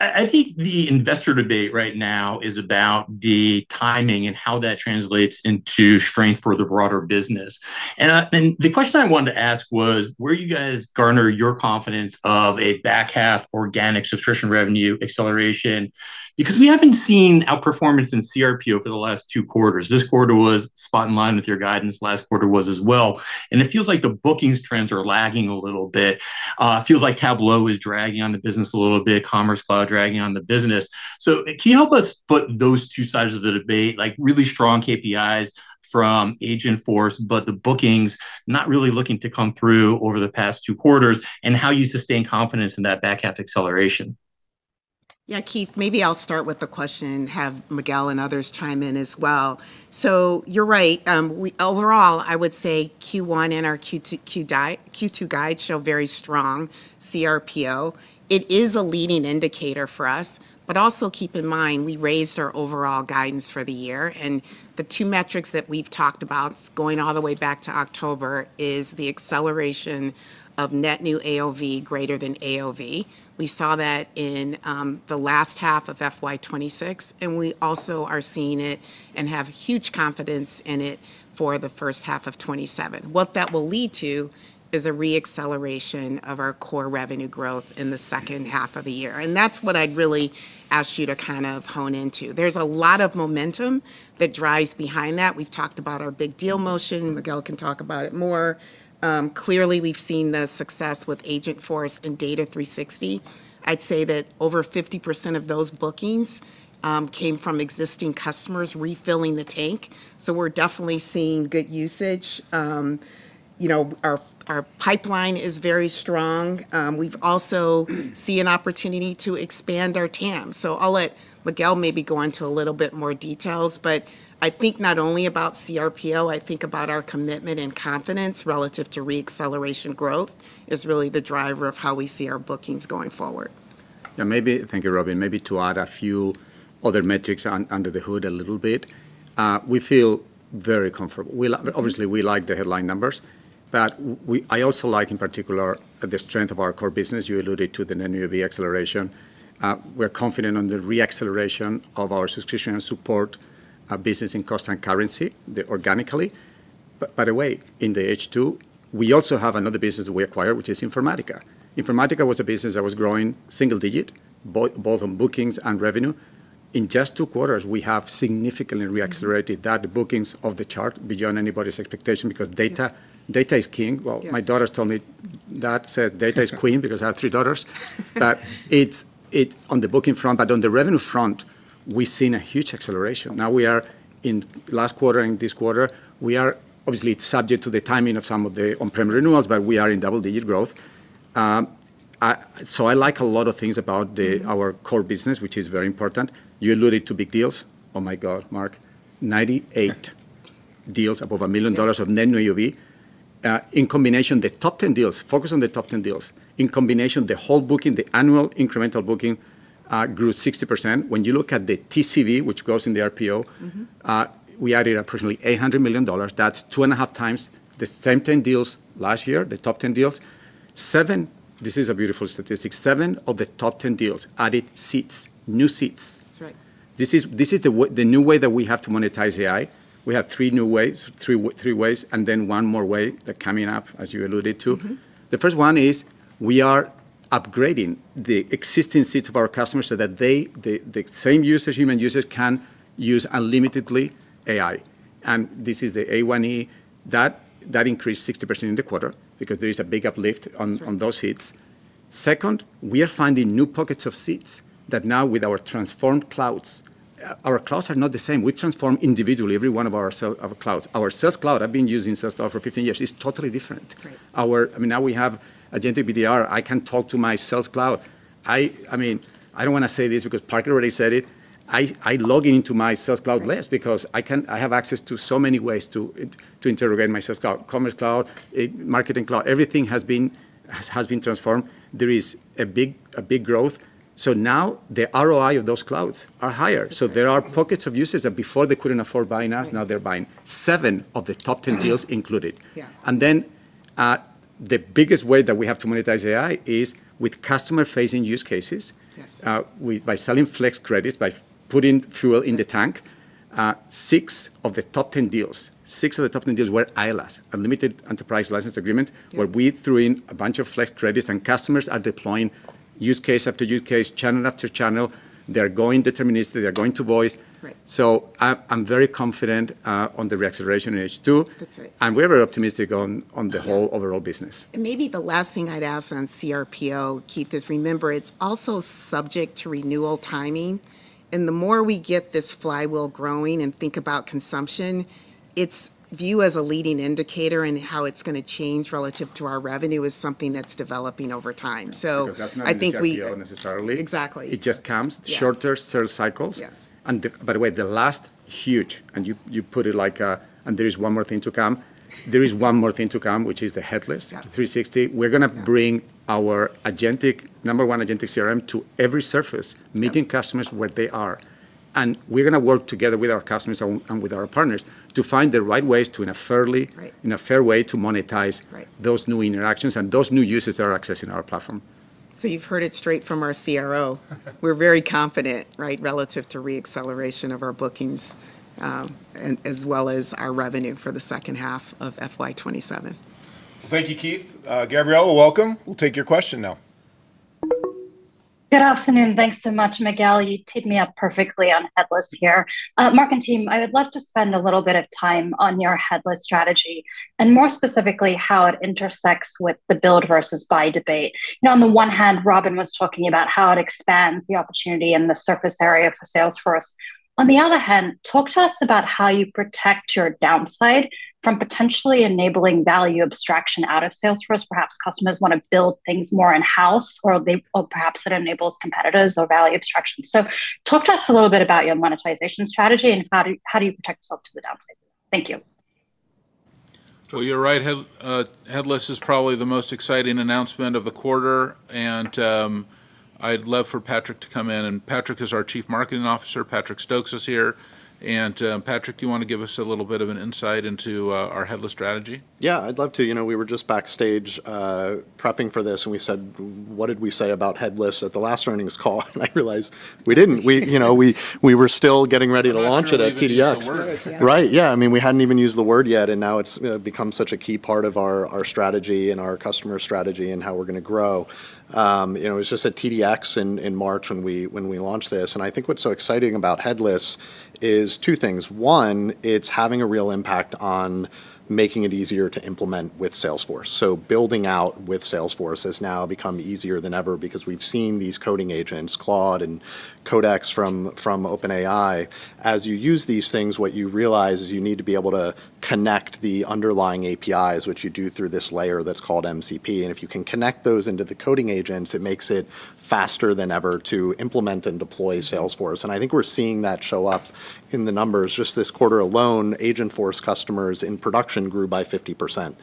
quarter. I think the investor debate right now is about the timing and how that translates into strength for the broader business. The question I wanted to ask was, where do you guys garner your confidence of a back half organic subscription revenue acceleration? Because we haven't seen outperformance in cRPO over the last two quarters. This quarter was spot in line with your guidance. Last quarter was as well, and it feels like the bookings trends are lagging a little bit. It feels like Tableau is dragging on the business a little bit, Commerce Cloud dragging on the business. Can you help us put those two sides of the debate, really strong KPIs from Agentforce, but the bookings not really looking to come through over the past Q2, and how you sustain confidence in that back-half acceleration? Yeah, Keith, maybe I'll start with the question and have Miguel and others chime in as well. You're right. Overall, I would say Q1 and our Q2 guides show very strong cRPO. It is a leading indicator for us. Also keep in mind, we raised our overall guidance for the year, and the two metrics that we've talked about going all the way back to October is the acceleration of net new AOV greater than AOV. We saw that in the last half of FY 2026, and we also are seeing it, and have huge confidence in it, for the first half of 2027. What that will lead to is a re-acceleration of our core revenue growth in the second half of the year, and that's what I'd really ask you to hone into. There's a lot of momentum that drives behind that. We've talked about our big deal motion. Miguel can talk about it more. Clearly, we've seen the success with Agentforce and Data 360. I'd say that over 50% of those bookings came from existing customers refilling the tank, so we're definitely seeing good usage. Our pipeline is very strong. We also see an opportunity to expand our TAM. I'll let Miguel maybe go into a little bit more details. I think not only about cRPO, I think about our commitment and confidence relative to re-acceleration growth is really the driver of how we see our bookings going forward. Yeah. Thank you, Robin. Maybe to add a few other metrics under the hood a little bit. We feel very comfortable. Obviously, we like the headline numbers, but I also like, in particular, the strength of our core business. You alluded to the net new AOV acceleration. We're confident on the re-acceleration of our subscription and support business in constant currency organically. By the way, in the H2, we also have another business we acquired, which is Informatica. Informatica was a business that was growing single digit, both on bookings and revenue. In just Q2, we have significantly re-accelerated that bookings off the chart beyond anybody's expectation, because data is king. Well, my daughters tell me that says data is queen, because I have three daughters. On the booking front, but on the revenue front, we've seen a huge acceleration. We are in last quarter and this quarter, we are obviously subject to the timing of some of the on-premise renewals, but we are in double-digit growth. I like a lot of things about our core business, which is very important. You alluded to big deals. Oh my God, Marc, 98 deals above $1 million of net new AOV. In combination, the top 10 deals, focus on the top 10 deals. In combination, the whole booking, the annual incremental booking, grew 60%. When you look at the TCV, which goes in the RPO. We added approximately $800 million. That's two and a half times the same 10 deals last year, the top 10 deals. This is a beautiful statistic. Seven of the top 10 deals added seats, new seats. That's right. This is the new way that we have to monetize AI. We have three new ways, and then one more way that coming up, as you alluded to. The first one is we are upgrading the existing seats of our customers so that the same users, human users, can use unlimitedly AI, and this is the A1E. That increased 60% in the quarter, because there is a big uplift on those seats. That's right. Second, we are finding new pockets of seats that now with our transformed clouds, our clouds are not the same. We transform individually every one of our clouds. Our Sales Cloud, I've been using Sales Cloud for 15 years, is totally different. Great. We have agent BDR. I can talk to my Sales Cloud. I don't want to say this because Parker already said it. I log into my Sales Cloud less because I have access to so many ways to interrogate my Sales Cloud. Commerce Cloud, Marketing Cloud, everything has been transformed. There is a big growth. Now the ROI of those clouds are higher. There are pockets of users that before they couldn't afford buying us, now they're buying. Seven of the top 10 deals included. Yeah. The biggest way that we have to monetize AI is with customer-facing use cases. Yes. By selling Flex Credits, by putting fuel in the tank. Six of the top 10 deals were ILAs, unlimited enterprise license agreements, where we threw in a bunch of Flex Credits, and customers are deploying use case after use case, channel after channel. They're going deterministic. They're going to voice. Right. I'm very confident on the re-acceleration in H2. We are optimistic on the whole overall business. Maybe the last thing I'd ask on cRPO, Keith, is remember, it's also subject to renewal timing. The more we get this flywheel growing and think about consumption, its view as a leading indicator in how it's going to change relative to our revenue is something that's developing over time. That's not exactly it necessarily. Exactly. It just comes shorter sales cycles. Yes. By the way, the last huge, and you put it like, and there is one more thing to come. There is one more thing to come, which is the Headless 360. We're going to bring our number one agentic CRM to every surface, meeting customers where they are. We're going to work together with our customers and with our partners to find the right ways in a fair way to monetize. Right those new interactions and those new users that are accessing our platform. You've heard it straight from our CRO. We're very confident, right, relative to re-acceleration of our bookings, as well as our revenue for the second half of FY 2027. Thank you, Keith. Gabriela, welcome. We will take your question now. Good afternoon. Thanks so much, Miguel. You teed me up perfectly on headless here. Marc and team, I would love to spend a little bit of time on your headless strategy, and more specifically, how it intersects with the build versus buy debate. Now on the one hand, Robin was talking about how it expands the opportunity and the surface area for Salesforce. On the other hand, talk to us about how you protect your downside from potentially enabling value abstraction out of Salesforce. Perhaps customers want to build things more in-house, or perhaps it enables competitors or value abstraction. Talk to us a little bit about your monetization strategy and how do you protect yourself to the downside? Thank you. You're right, headless is probably the most exciting announcement of the quarter. I'd love for Patrick to come in, and Patrick is our Chief Marketing Officer. Patrick Stokes is here. Patrick, do you want to give us a little bit of an insight into our headless strategy? Yeah, I'd love to. We were just backstage prepping for this, and we said, "What did we say about headless at the last earnings call?" I realized we didn't. We were still getting ready to launch it at TDX. We're not sure we even used the word. We hadn't started yet. Right. Yeah, we hadn't even used the word yet, now it's become such a key part of our strategy and our customer strategy and how we're going to grow. It was just at TDX in March when we launched this. I think what's so exciting about headless is two things. One, it's having a real impact on making it easier to implement with Salesforce. Building out with Salesforce has now become easier than ever because we've seen these coding agents, Claude and Codex from OpenAI. As you use these things, what you realize is you need to be able to connect the underlying APIs, which you do through this layer that's called MCP. If you can connect those into the coding agents, it makes it faster than ever to implement and deploy Salesforce. I think we're seeing that show up in the numbers. Just this quarter alone, Agentforce customers in production grew by 50%.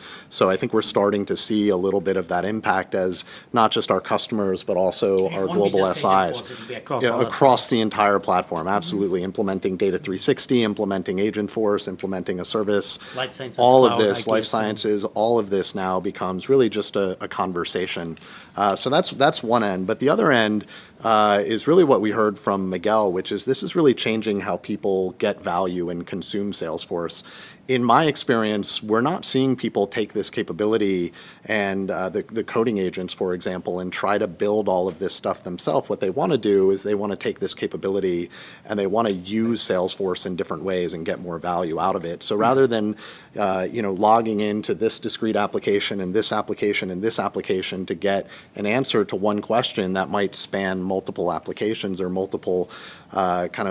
I think we're starting to see a little bit of that impact as not just our customers, but also our global SIs. It won't be just Salesforce. Across the entire platform, absolutely. Implementing Data 360, implementing Agentforce, implementing a service. Life sciences, cloud, IP. All of this, life sciences, all of this now becomes really just a conversation. That's one end. The other end is really what we heard from Miguel, which is this is really changing how people get value and consume Salesforce. In my experience, we're not seeing people take this capability and the coding agents, for example, and try to build all of this stuff themselves. What they want to do is they want to take this capability, and they want to use Salesforce in different ways and get more value out of it. Rather than logging into this discrete application, and this application, and this application to get an answer to one question that might span multiple applications or multiple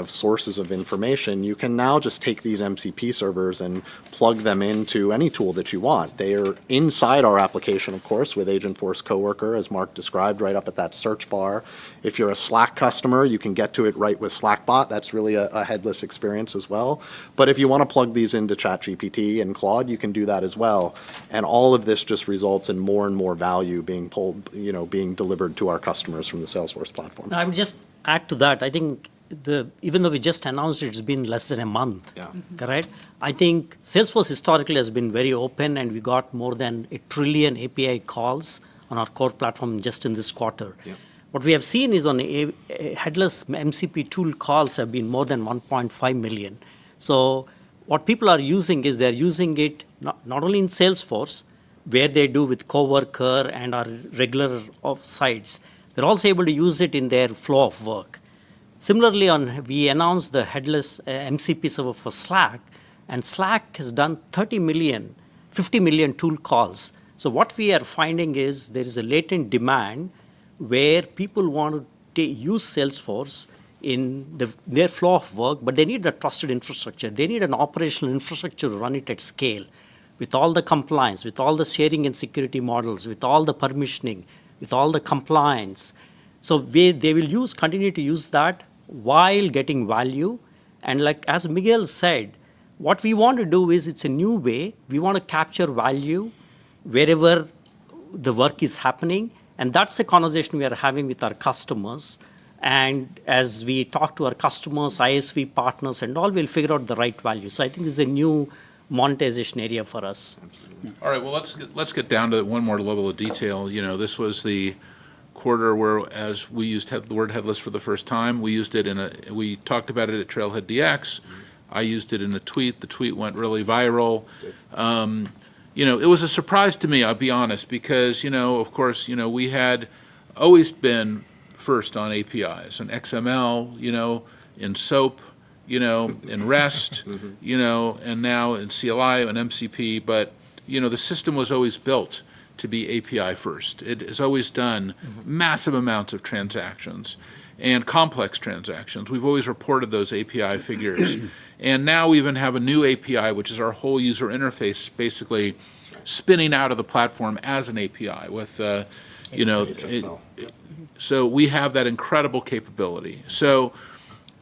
sources of information, you can now just take these MCP servers and plug them into any tool that you want. They are inside our application, of course, with Agentforce Coworker, as Marc described, right up at that search bar. If you're a Slack customer, you can get to it right with Slackbot. That's really a headless experience as well. If you want to plug these into ChatGPT and Claude, you can do that as well. All of this just results in more and more value being delivered to our customers from the Salesforce platform. I'll just add to that. I think even though we just announced it's been less than a month. Yeah. Correct? I think Salesforce historically has been very open, and we got more than 1 trillion API calls on our core platform just in this quarter. Yeah. What we have seen is on a headless MCP tool, calls have been more than $1.5 million. What people are using is they're using it not only in Salesforce, where they do with Coworker and our regular offsites, they're also able to use it in their flow of work. Similarly, we announced the headless MCP server for Slack, and Slack has done $50 million tool calls. What we are finding is there is a latent demand where people want to use Salesforce in their flow of work, but they need that trusted infrastructure. They need an operational infrastructure to run it at scale with all the compliance, with all the sharing and security models, with all the permissioning, with all the compliance. They will continue to use that while getting value. As Miguel said, what we want to do is it's a new way. We want to capture value wherever the work is happening, and that's the conversation we are having with our customers. As we talk to our customers, ISV partners, and all, we'll figure out the right value. I think this is a new monetization area for us. Absolutely. All right. Well, let's get down to one more level of detail. This was the quarter where as we used the word headless for the first time, we talked about it at TrailblazerDX. I used it in a tweet. The tweet went really viral. It was a surprise to me, I'll be honest, because of course, we had always been first on APIs, on XML, in SOAP, in REST, and now in CLI, on MCP. The system was always built to be API first. It has always done massive amounts of transactions and complex transactions. We've always reported those API figures. Now we even have a new API, which is our whole user interface basically spinning out of the platform as an API. HCX now. Yep. We have that incredible capability.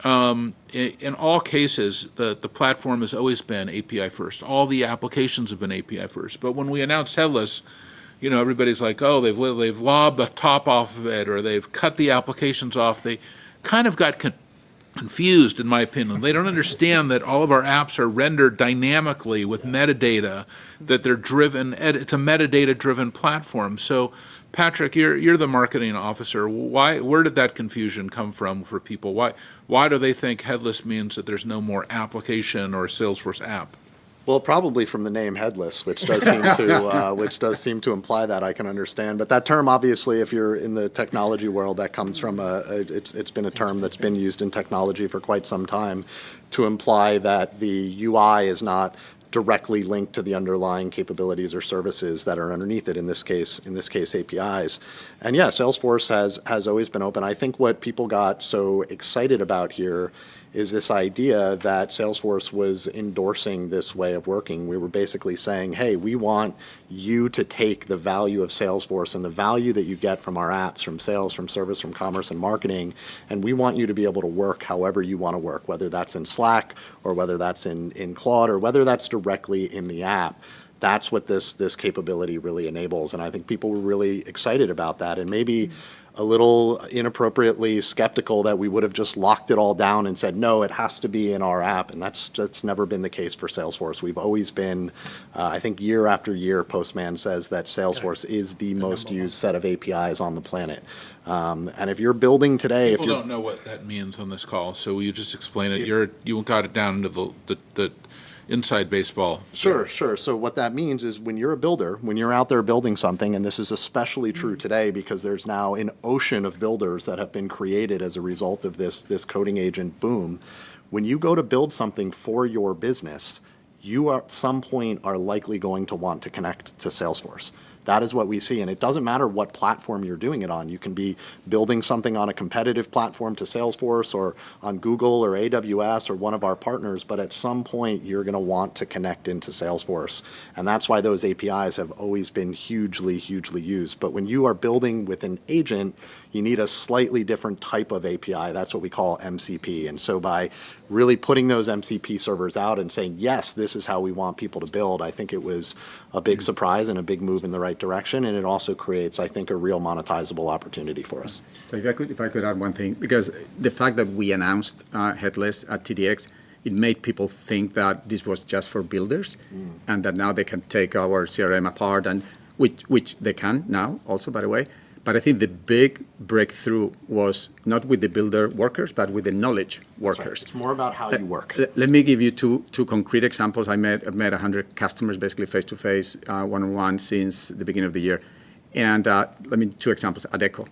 In all cases, the platform has always been API first. All the applications have been API first. When we announced headless, everybody's like, "Oh, they've lobbed the top off of it," or, "They've cut the applications off." They kind of got confused in my opinion. They don't understand that all of our apps are rendered dynamically with metadata, that it's a metadata-driven platform. Patrick, you're the marketing officer. Where did that confusion come from for people? Why do they think headless means that there's no more application or Salesforce app? Well, probably from the name headless, which does seem to imply that. I can understand. That term, obviously, if you're in the technology world, it's been a term that's been used in technology for quite some time to imply that the UI is not directly linked to the underlying capabilities or services that are underneath it, in this case, APIs. Yeah, Salesforce has always been open. I think what people got so excited about here is this idea that Salesforce was endorsing this way of working. We were basically saying, "Hey, we want you to take the value of Salesforce and the value that you get from our apps, from sales, from service, from commerce, and marketing, and we want you to be able to work however you want to work, whether that's in Slack or whether that's in Claude, or whether that's directly in the app." That's what this capability really enables, and I think people were really excited about that and maybe a little inappropriately skeptical that we would've just locked it all down and said, "No, it has to be in our app." That's never been the case for Salesforce. I think year after year, Postman says that Salesforce is the most used set of APIs on the planet. If you're building today, if you're- People don't know what that means on this call, will you just explain it? You got it down into the inside baseball. Sure. What that means is when you're a builder, when you're out there building something, and this is especially true today because there's now an ocean of builders that have been created as a result of this coding agent boom, when you go to build something for your business, you at some point are likely going to want to connect to Salesforce. That is what we see. It doesn't matter what platform you're doing it on. You can be building something on a competitive platform to Salesforce or on Google or AWS or one of our partners, but at some point you're going to want to connect into Salesforce. That's why those APIs have always been hugely used. When you are building with an agent, you need a slightly different type of API. That's what we call MCP. By really putting those MCP servers out and saying, "Yes, this is how we want people to build," I think it was a big surprise and a big move in the right direction, and it also creates, I think, a real monetizable opportunity for us. If I could add one thing, because the fact that we announced Headless at TDX, it made people think that this was just for builders and that now they can take our CRM apart, which they can now also by the way. I think the big breakthrough was not with the builder workers, but with the knowledge workers. That's right. It's more about how you work. Let me give you two concrete examples. I've met 100 customers basically face-to-face, one-on-one since the beginning of the year. Two examples, Adecco,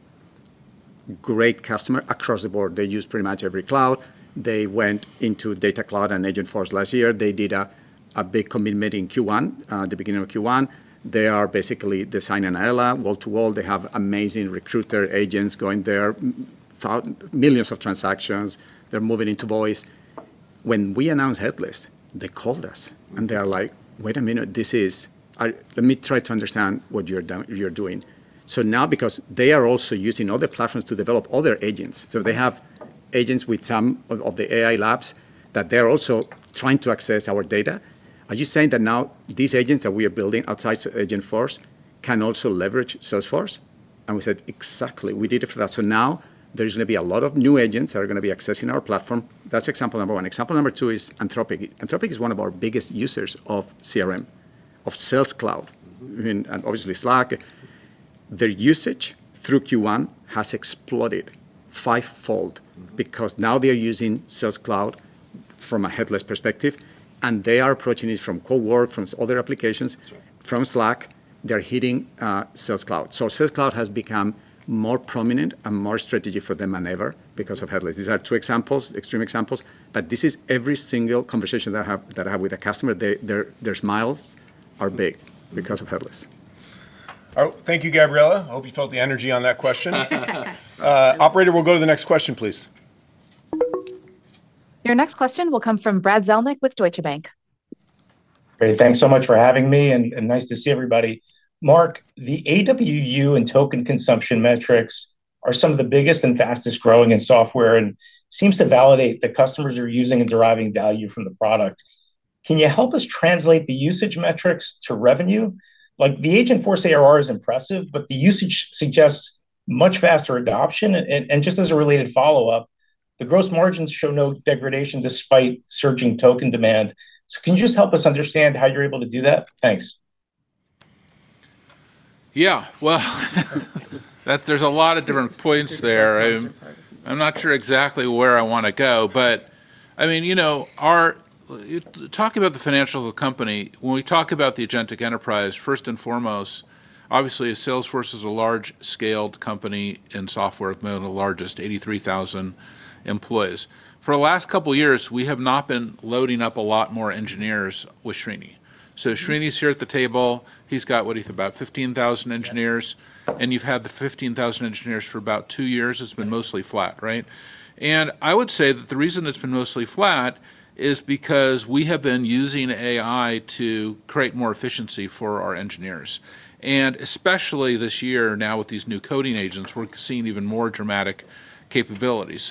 great customer across the board. They use pretty much every cloud. They went into Data Cloud and Agentforce last year. They did a big commitment in Q1, the beginning of Q1. They are basically designing AI wall-to-wall. They have amazing recruiter agents going there, millions of transactions. They're moving into voice. When we announced Headless, they called us and they're like, "Wait a minute, let me try to understand what you're doing." Now because they are also using other platforms to develop other agents, so they have agents with some of the AI labs that they're also trying to access our data. "Are you saying that now these agents that we are building outside Agentforce can also leverage Salesforce?" We said, "Exactly. We did it for that. Now there's going to be a lot of new agents that are going to be accessing our platform. That's example number one. Example number two is Anthropic. Anthropic is one of our biggest users of CRM, of Sales Cloud, and obviously Slack. Their usage through Q1 has exploded fivefold because now they're using Sales Cloud from a headless perspective, and they are approaching this from Coworker, from other applications. That's right. from Slack. They're hitting Sales Cloud. Sales Cloud has become more prominent and more strategic for them than ever because of Headless. These are two examples, extreme examples, but this is every single conversation that I have with a customer. Their smiles are big because of Headless. Oh, thank you, Gabriela. I hope you felt the energy on that question. Operator, we'll go to the next question, please. Your next question will come from Brad Zelnick with Deutsche Bank. Great. Thanks so much for having me, and nice to see everybody. Marc, the AWU and token consumption metrics are some of the biggest and fastest-growing in software and seems to validate that customers are using and deriving value from the product. Can you help us translate the usage metrics to revenue? Like the Agentforce ARR is impressive, but the usage suggests much faster adoption. Just as a related follow-up, the gross margins show no degradation despite surging token demand. Can you just help us understand how you're able to do that? Thanks. Yeah. Well, there's a lot of different points there. I'm not sure exactly where I want to go, but talking about the financial of the company, when we talk about the agentic enterprise, first and foremost, obviously as Salesforce is a large-scaled company in software, one of the largest, 83,000 employees. For the last couple of years, we have not been loading up a lot more engineers with Srini. Srini's here at the table. He's got, what, about 15,000 engineers? Yeah. You've had the 15,000 engineers for about two years. It's been mostly flat, right? I would say that the reason it's been mostly flat is because we have been using AI to create more efficiency for our engineers. Especially this year now with these new coding agents, we're seeing even more dramatic capabilities.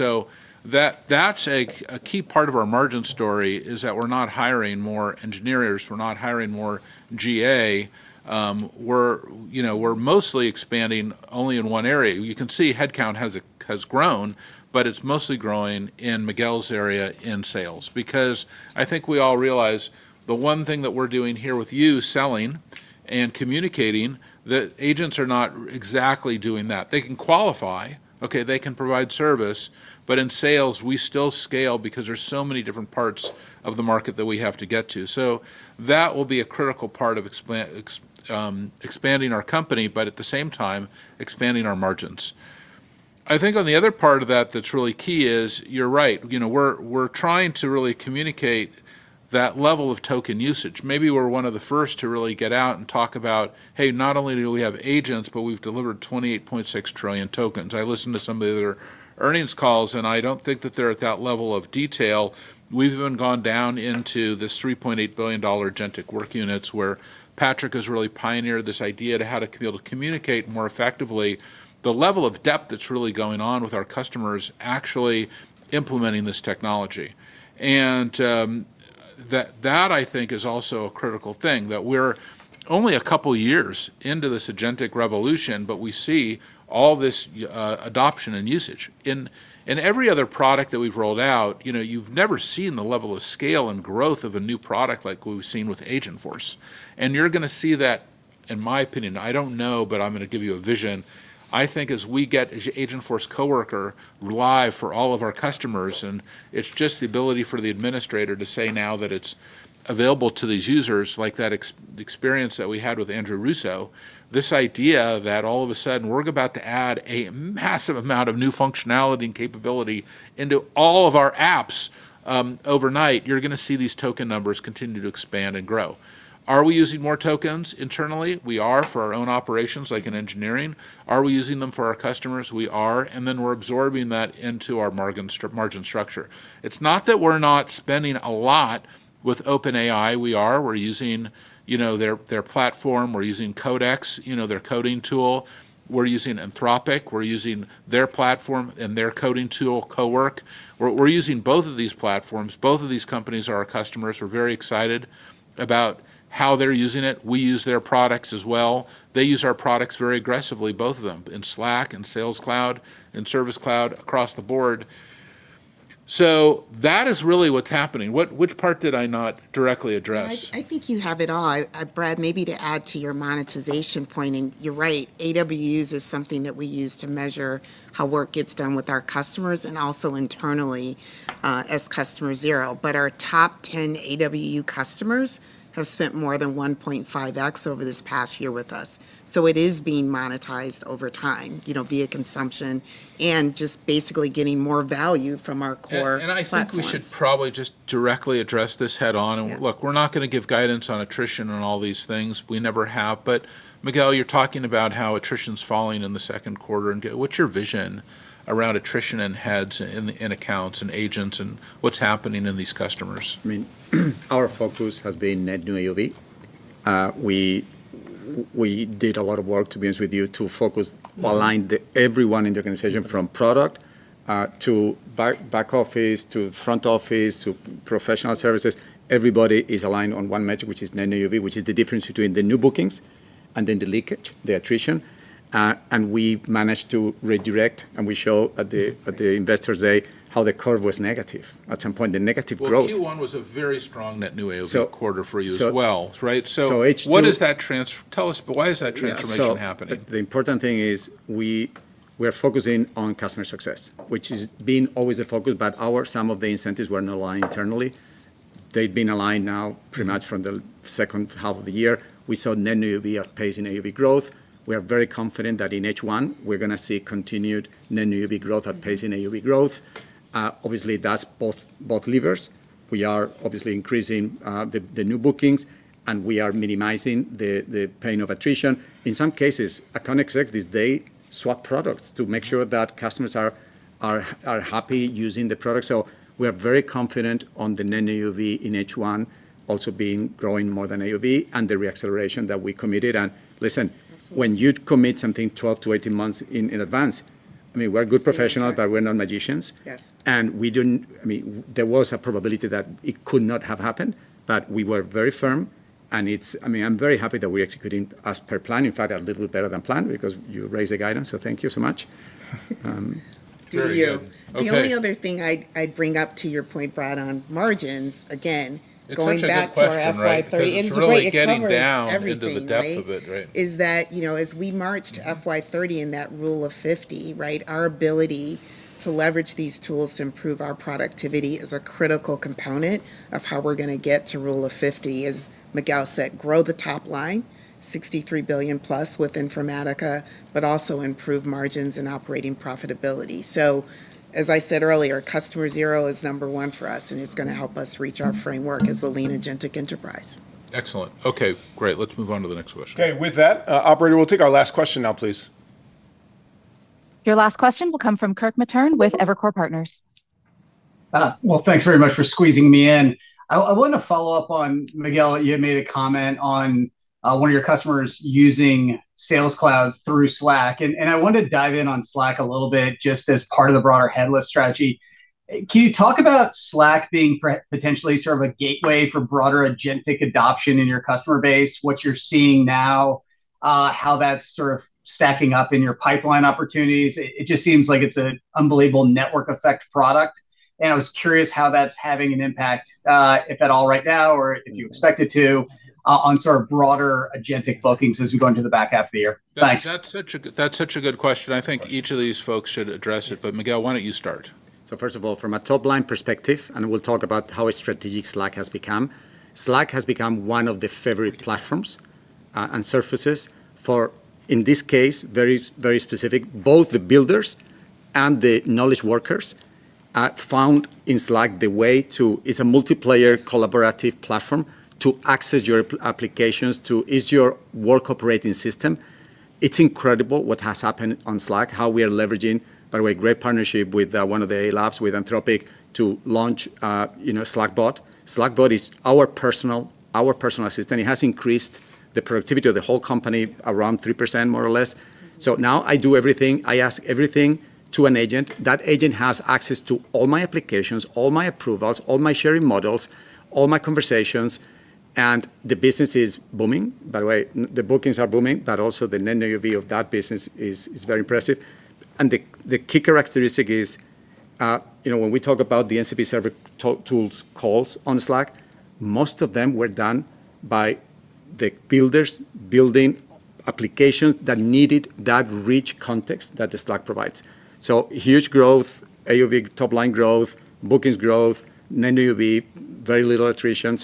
That's a key part of our margin story is that we're not hiring more engineers, we're not hiring more GA. We're mostly expanding only in one area. You can see headcount has grown, but it's mostly growing in Miguel's area in sales because I think we all realize the one thing that we're doing here with you selling and communicating, the agents are not exactly doing that. They can qualify, okay, they can provide service, but in sales we still scale because there's so many different parts of the market that we have to get to. That will be a critical part of expanding our company, but at the same time expanding our margins. I think on the other part of that that's really key is, you're right. We're trying to really communicate that level of token usage. Maybe we're one of the first to really get out and talk about, "Hey, not only do we have agents, but we've delivered 28.6 trillion tokens." I listened to some of the other earnings calls, and I don't think that they're at that level of detail. We've even gone down into this $3.8 billion Agentic Work Units where Patrick has really pioneered this idea to how to be able to communicate more effectively the level of depth that's really going on with our customers actually implementing this technology. That, I think, is also a critical thing, that we're only a couple of years into this agentic revolution, but we see all this adoption and usage. In every other product that we've rolled out, you've never seen the level of scale and growth of a new product like we've seen with Agentforce. You're going to see that, in my opinion, I don't know, but I'm going to give you a vision. I think as we get Agentforce Coworker live for all of our customers, it's just the ability for the administrator to say now that it's available to these users, like that experience that we had with Andrew Russo, this idea that all of a sudden we're about to add a massive amount of new functionality and capability into all of our apps overnight, you're going to see these token numbers continue to expand and grow. Are we using more tokens internally? We are for our own operations, like in engineering. Are we using them for our customers? We are, then we're absorbing that into our margin structure. It's not that we're not spending a lot with OpenAI. We are. We're using their platform. We're using Codex, their coding tool. We're using Anthropic. We're using their platform and their coding tool, Coworker. We're using both of these platforms. Both of these companies are our customers. We're very excited about how they're using it. We use their products as well. They use our products very aggressively, both of them, in Slack and Sales Cloud, in Service Cloud, across the board. That is really what's happening. Which part did I not directly address? I think you have it all. Brad, maybe to add to your monetization point, and you're right, AWUs is something that we use to measure how work gets done with our customers and also internally as customer zero. Our top 10 AWU customers have spent more than 1.5x over this past year with us. It is being monetized over time, via consumption and just basically getting more value from our core platforms. I think we should probably just directly address this head-on. Yeah. Look, we're not going to give guidance on attrition on all these things. We never have. Miguel, you're talking about how attrition's falling in the Q2, and what's your vision around attrition and heads in accounts and agents and what's happening in these customers? Our focus has been net new AOV. We did a lot of work, to be honest with you, to focus, align everyone in the organization, from product to back office, to front office, to professional services. Everybody is aligned on one metric, which is net new AOV, which is the difference between the new bookings and then the leakage, the attrition. We managed to redirect, and we show at the Investors' Day how the curve was negative. Well, Q1 was a very strong net new AOV quarter for you as well, right? So H2- Why is that transformation happening? The important thing is we are focusing on customer success, which has been always a focus, but some of the incentives were not aligned internally. They've been aligned now pretty much from the second half of the year. We saw net new AOV outpacing AOV growth. We are very confident that in H1, we're going to see continued net new AOV growth outpacing AOV growth. Obviously, that's both levers. We are obviously increasing the new bookings, we are minimizing the pain of attrition. In some cases, account executives, they swap products to make sure that customers are happy using the product. We are very confident on the net new AOV in H1 also growing more than AOV and the re-acceleration that we committed. Listen, when you commit something 12-18 months in advance, we're good professionals, but we're not magicians. Yes. There was a probability that it could not have happened, but we were very firm, and I'm very happy that we're executing as per plan. In fact, a little better than planned because you raised the guidance. Thank you so much. Do you? Very good. Okay. The only other thing I'd bring up to your point, Brad, on margins, again, going back to our FY 2030. It's such a good question, right? To your point, it covers everything, right? It's really getting down into the depth of it, right? As we march to FY 2030 in that Rule of 50, our ability to leverage these tools to improve our productivity is a critical component of how we're going to get to Rule of 50. As Miguel Milano said, grow the top line, $63 billion-plus with Informatica, but also improve margins and operating profitability. As I said earlier, Customer Zero is number one for us, and it's going to help us reach our framework as the lean agentic enterprise. Excellent. Okay, great. Let's move on to the next question. Okay, with that, operator, we'll take our last question now, please. Your last question will come from Kirk Materne with Evercore ISI. Well, thanks very much for squeezing me in. I wanted to follow up on, Miguel, you had made a comment on one of your customers using Sales Cloud through Slack, and I wanted to dive in on Slack a little bit just as part of the broader headless strategy. Can you talk about Slack being potentially sort of a gateway for broader agentic adoption in your customer base? What you're seeing now, how that's sort of stacking up in your pipeline opportunities? It just seems like it's an unbelievable network effect product, and I was curious how that's having an impact, if at all right now or if you expect it to, on sort of broader agentic bookings as we go into the back half of the year. Thanks. That's such a good question. I think each of these folks should address it, but Miguel, why don't you start? First of all, from a top-line perspective, and we'll talk about how strategic Slack has become. Slack has become one of the favorite platforms and surfaces for, in this case, very specific, both the builders and the knowledge workers have found in Slack the way to. It's a multiplayer collaborative platform to access your applications, to ease your work operating system. It's incredible what has happened on Slack, how we are leveraging, by the way, great partnership with one of the AI labs, with Anthropic, to launch Slackbot. Slackbot is our personal assistant. It has increased the productivity of the whole company around three percent, more or less. Now I do everything, I ask everything to an agent. That agent has access to all my applications, all my approvals, all my sharing models, all my conversations, and the business is booming. By the way, the bookings are booming, but also the net AOV of that business is very impressive. The key characteristic is when we talk about the MCP server tools calls on Slack, most of them were done by the builders building applications that needed that rich context that the Slack provides. Huge growth, AOV top line growth, bookings growth, net AOV, very little attrition.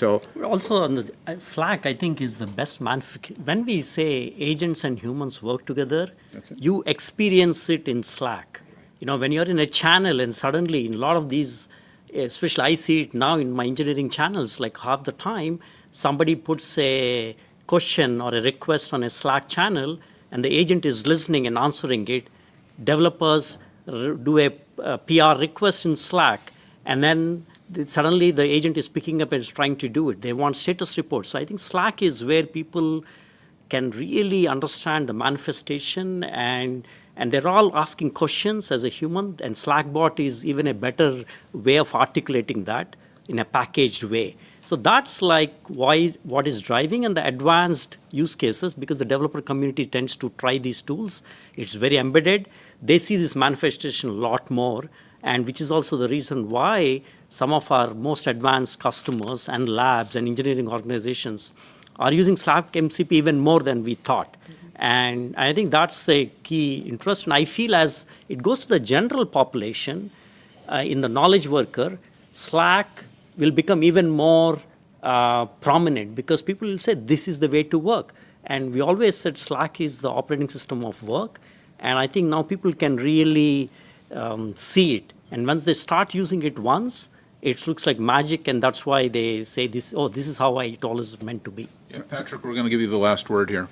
Also on the Slack, I think, is the best manifest. When we say agents and humans work together. That's it. you experience it in Slack. You're in a channel and suddenly a lot of these, especially I see it now in my engineering channels, like half the time, somebody puts a question or a request on a Slack channel, and the agent is listening and answering it. Developers do a PR request in Slack, suddenly the agent is picking up and is trying to do it. They want status reports. I think Slack is where people can really understand the manifestation, and they're all asking questions as a human, and Slackbot is even a better way of articulating that in a packaged way. That's what is driving in the advanced use cases because the developer community tends to try these tools. It's very embedded. They see this manifestation a lot more, which is also the reason why some of our most advanced customers and labs and engineering organizations are using Slack MCP even more than we thought. I think that's a key interest. I feel as it goes to the general population in the knowledge worker, Slack will become even more prominent because people will say, "This is the way to work." We always said Slack is the operating system of work, and I think now people can really see it. Once they start using it once, it looks like magic, and that's why they say, "Oh, this is how it always meant to be. Yeah, Patrick, we're going to give you the last word here.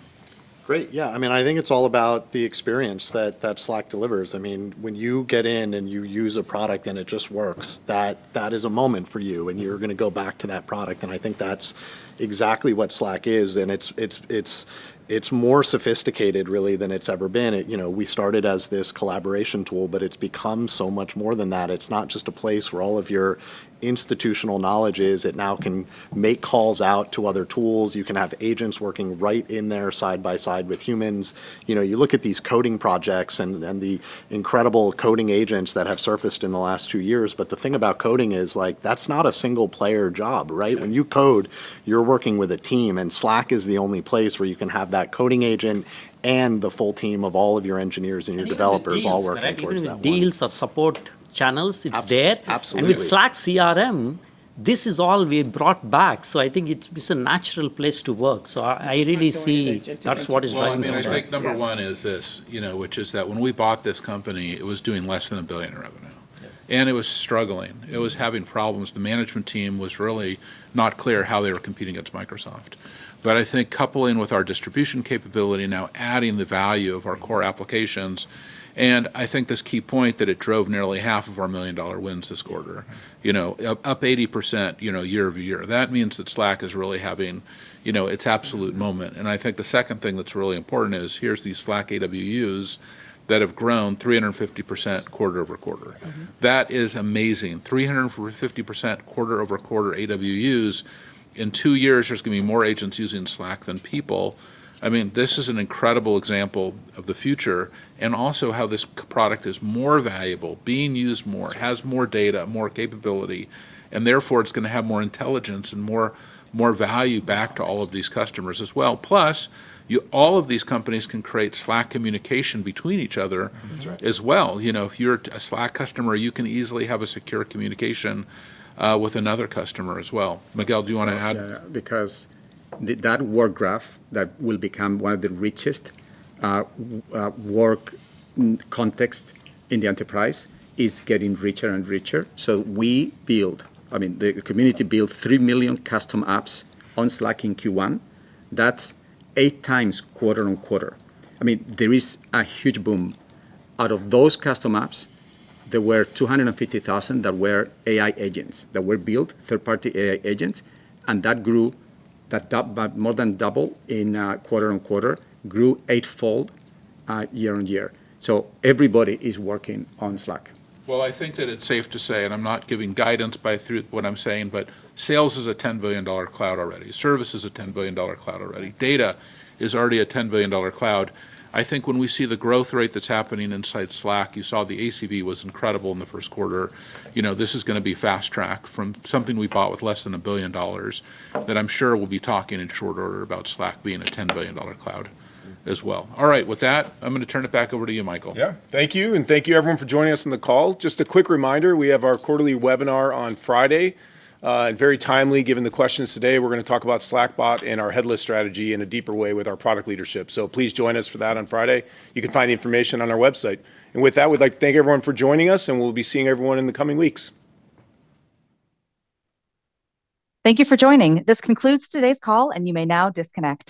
Great. Yeah. I think it's all about the experience that Slack delivers. When you get in and you use a product and it just works, that is a moment for you, and you're going to go back to that product. I think that's exactly what Slack is, and it's more sophisticated really than it's ever been. We started as this collaboration tool, it's become so much more than that. It's not just a place where all of your institutional knowledge is. It now can make calls out to other tools. You can have agents working right in there side by side with humans. You look at these coding projects and the incredible coding agents that have surfaced in the last two years, the thing about coding is that's not a single-player job, right? When you code, you're working with a team, and Slack is the only place where you can have that coding agent and the full team of all of your engineers and your developers all working towards that one- Even with deals or support channels, it's there. Absolutely. With Slack CRM, this is all we brought back. I think it's a natural place to work. I really see that's what is driving. Well, I think number one is this, which is that when we bought this company, it was doing less than $1 billion in revenue. Yes. It was struggling. It was having problems. The management team was really not clear how they were competing against Microsoft. I think coupling with our distribution capability, now adding the value of our core applications, and I think this key point that it drove nearly half of our million-dollar wins this quarter. Up 80% year-over-year. That means that Slack is really having its absolute moment. I think the second thing that's really important is here's these Slack AWUs that have grown 350% quarter-over-quarter. That is amazing. 350% quarter-over-quarter AWUs. In two years, there's going to be more agents using Slack than people. This is an incredible example of the future and also how this product is more valuable, being used more, has more data, more capability, and therefore it's going to have more intelligence and more value back to all of these customers as well. All of these companies can create Slack communication between each other. That's right. as well. If you're a Slack customer, you can easily have a secure communication with another customer as well. Miguel, do you want to add? Because that work graph that will become one of the richest work context in the enterprise is getting richer and richer. We build, the community built 3 million custom apps on Slack in Q1. That's 8x quarter-on-quarter. There is a huge boom. Out of those custom apps, there were 250,000 that were AI agents, that were built, third-party AI agents, and that grew more than double in quarter-on-quarter, grew eightfold year-on-year. Everybody is working on Slack. I think that it's safe to say, and I'm not giving guidance by through what I'm saying, but Sales is a $10 billion cloud already. Service is a $10 billion cloud already. Data is already a $10 billion cloud. I think when we see the growth rate that's happening inside Slack, you saw the ACV was incredible in the first quarter. This is going to be fast track from something we bought with less than $1 billion that I'm sure we'll be talking in short order about Slack being a $10 billion cloud as well. All right, with that, I'm going to turn it back over to you, Mike Spencer. Yeah. Thank you, and thank you everyone for joining us on the call. Just a quick reminder, we have our quarterly webinar on Friday. Very timely, given the questions today, we're going to talk about Slackbot and our headless strategy in a deeper way with our product leadership. Please join us for that on Friday. You can find the information on our website. With that, we'd like to thank everyone for joining us, and we'll be seeing everyone in the coming weeks. Thank you for joining. This concludes today's call, and you may now disconnect.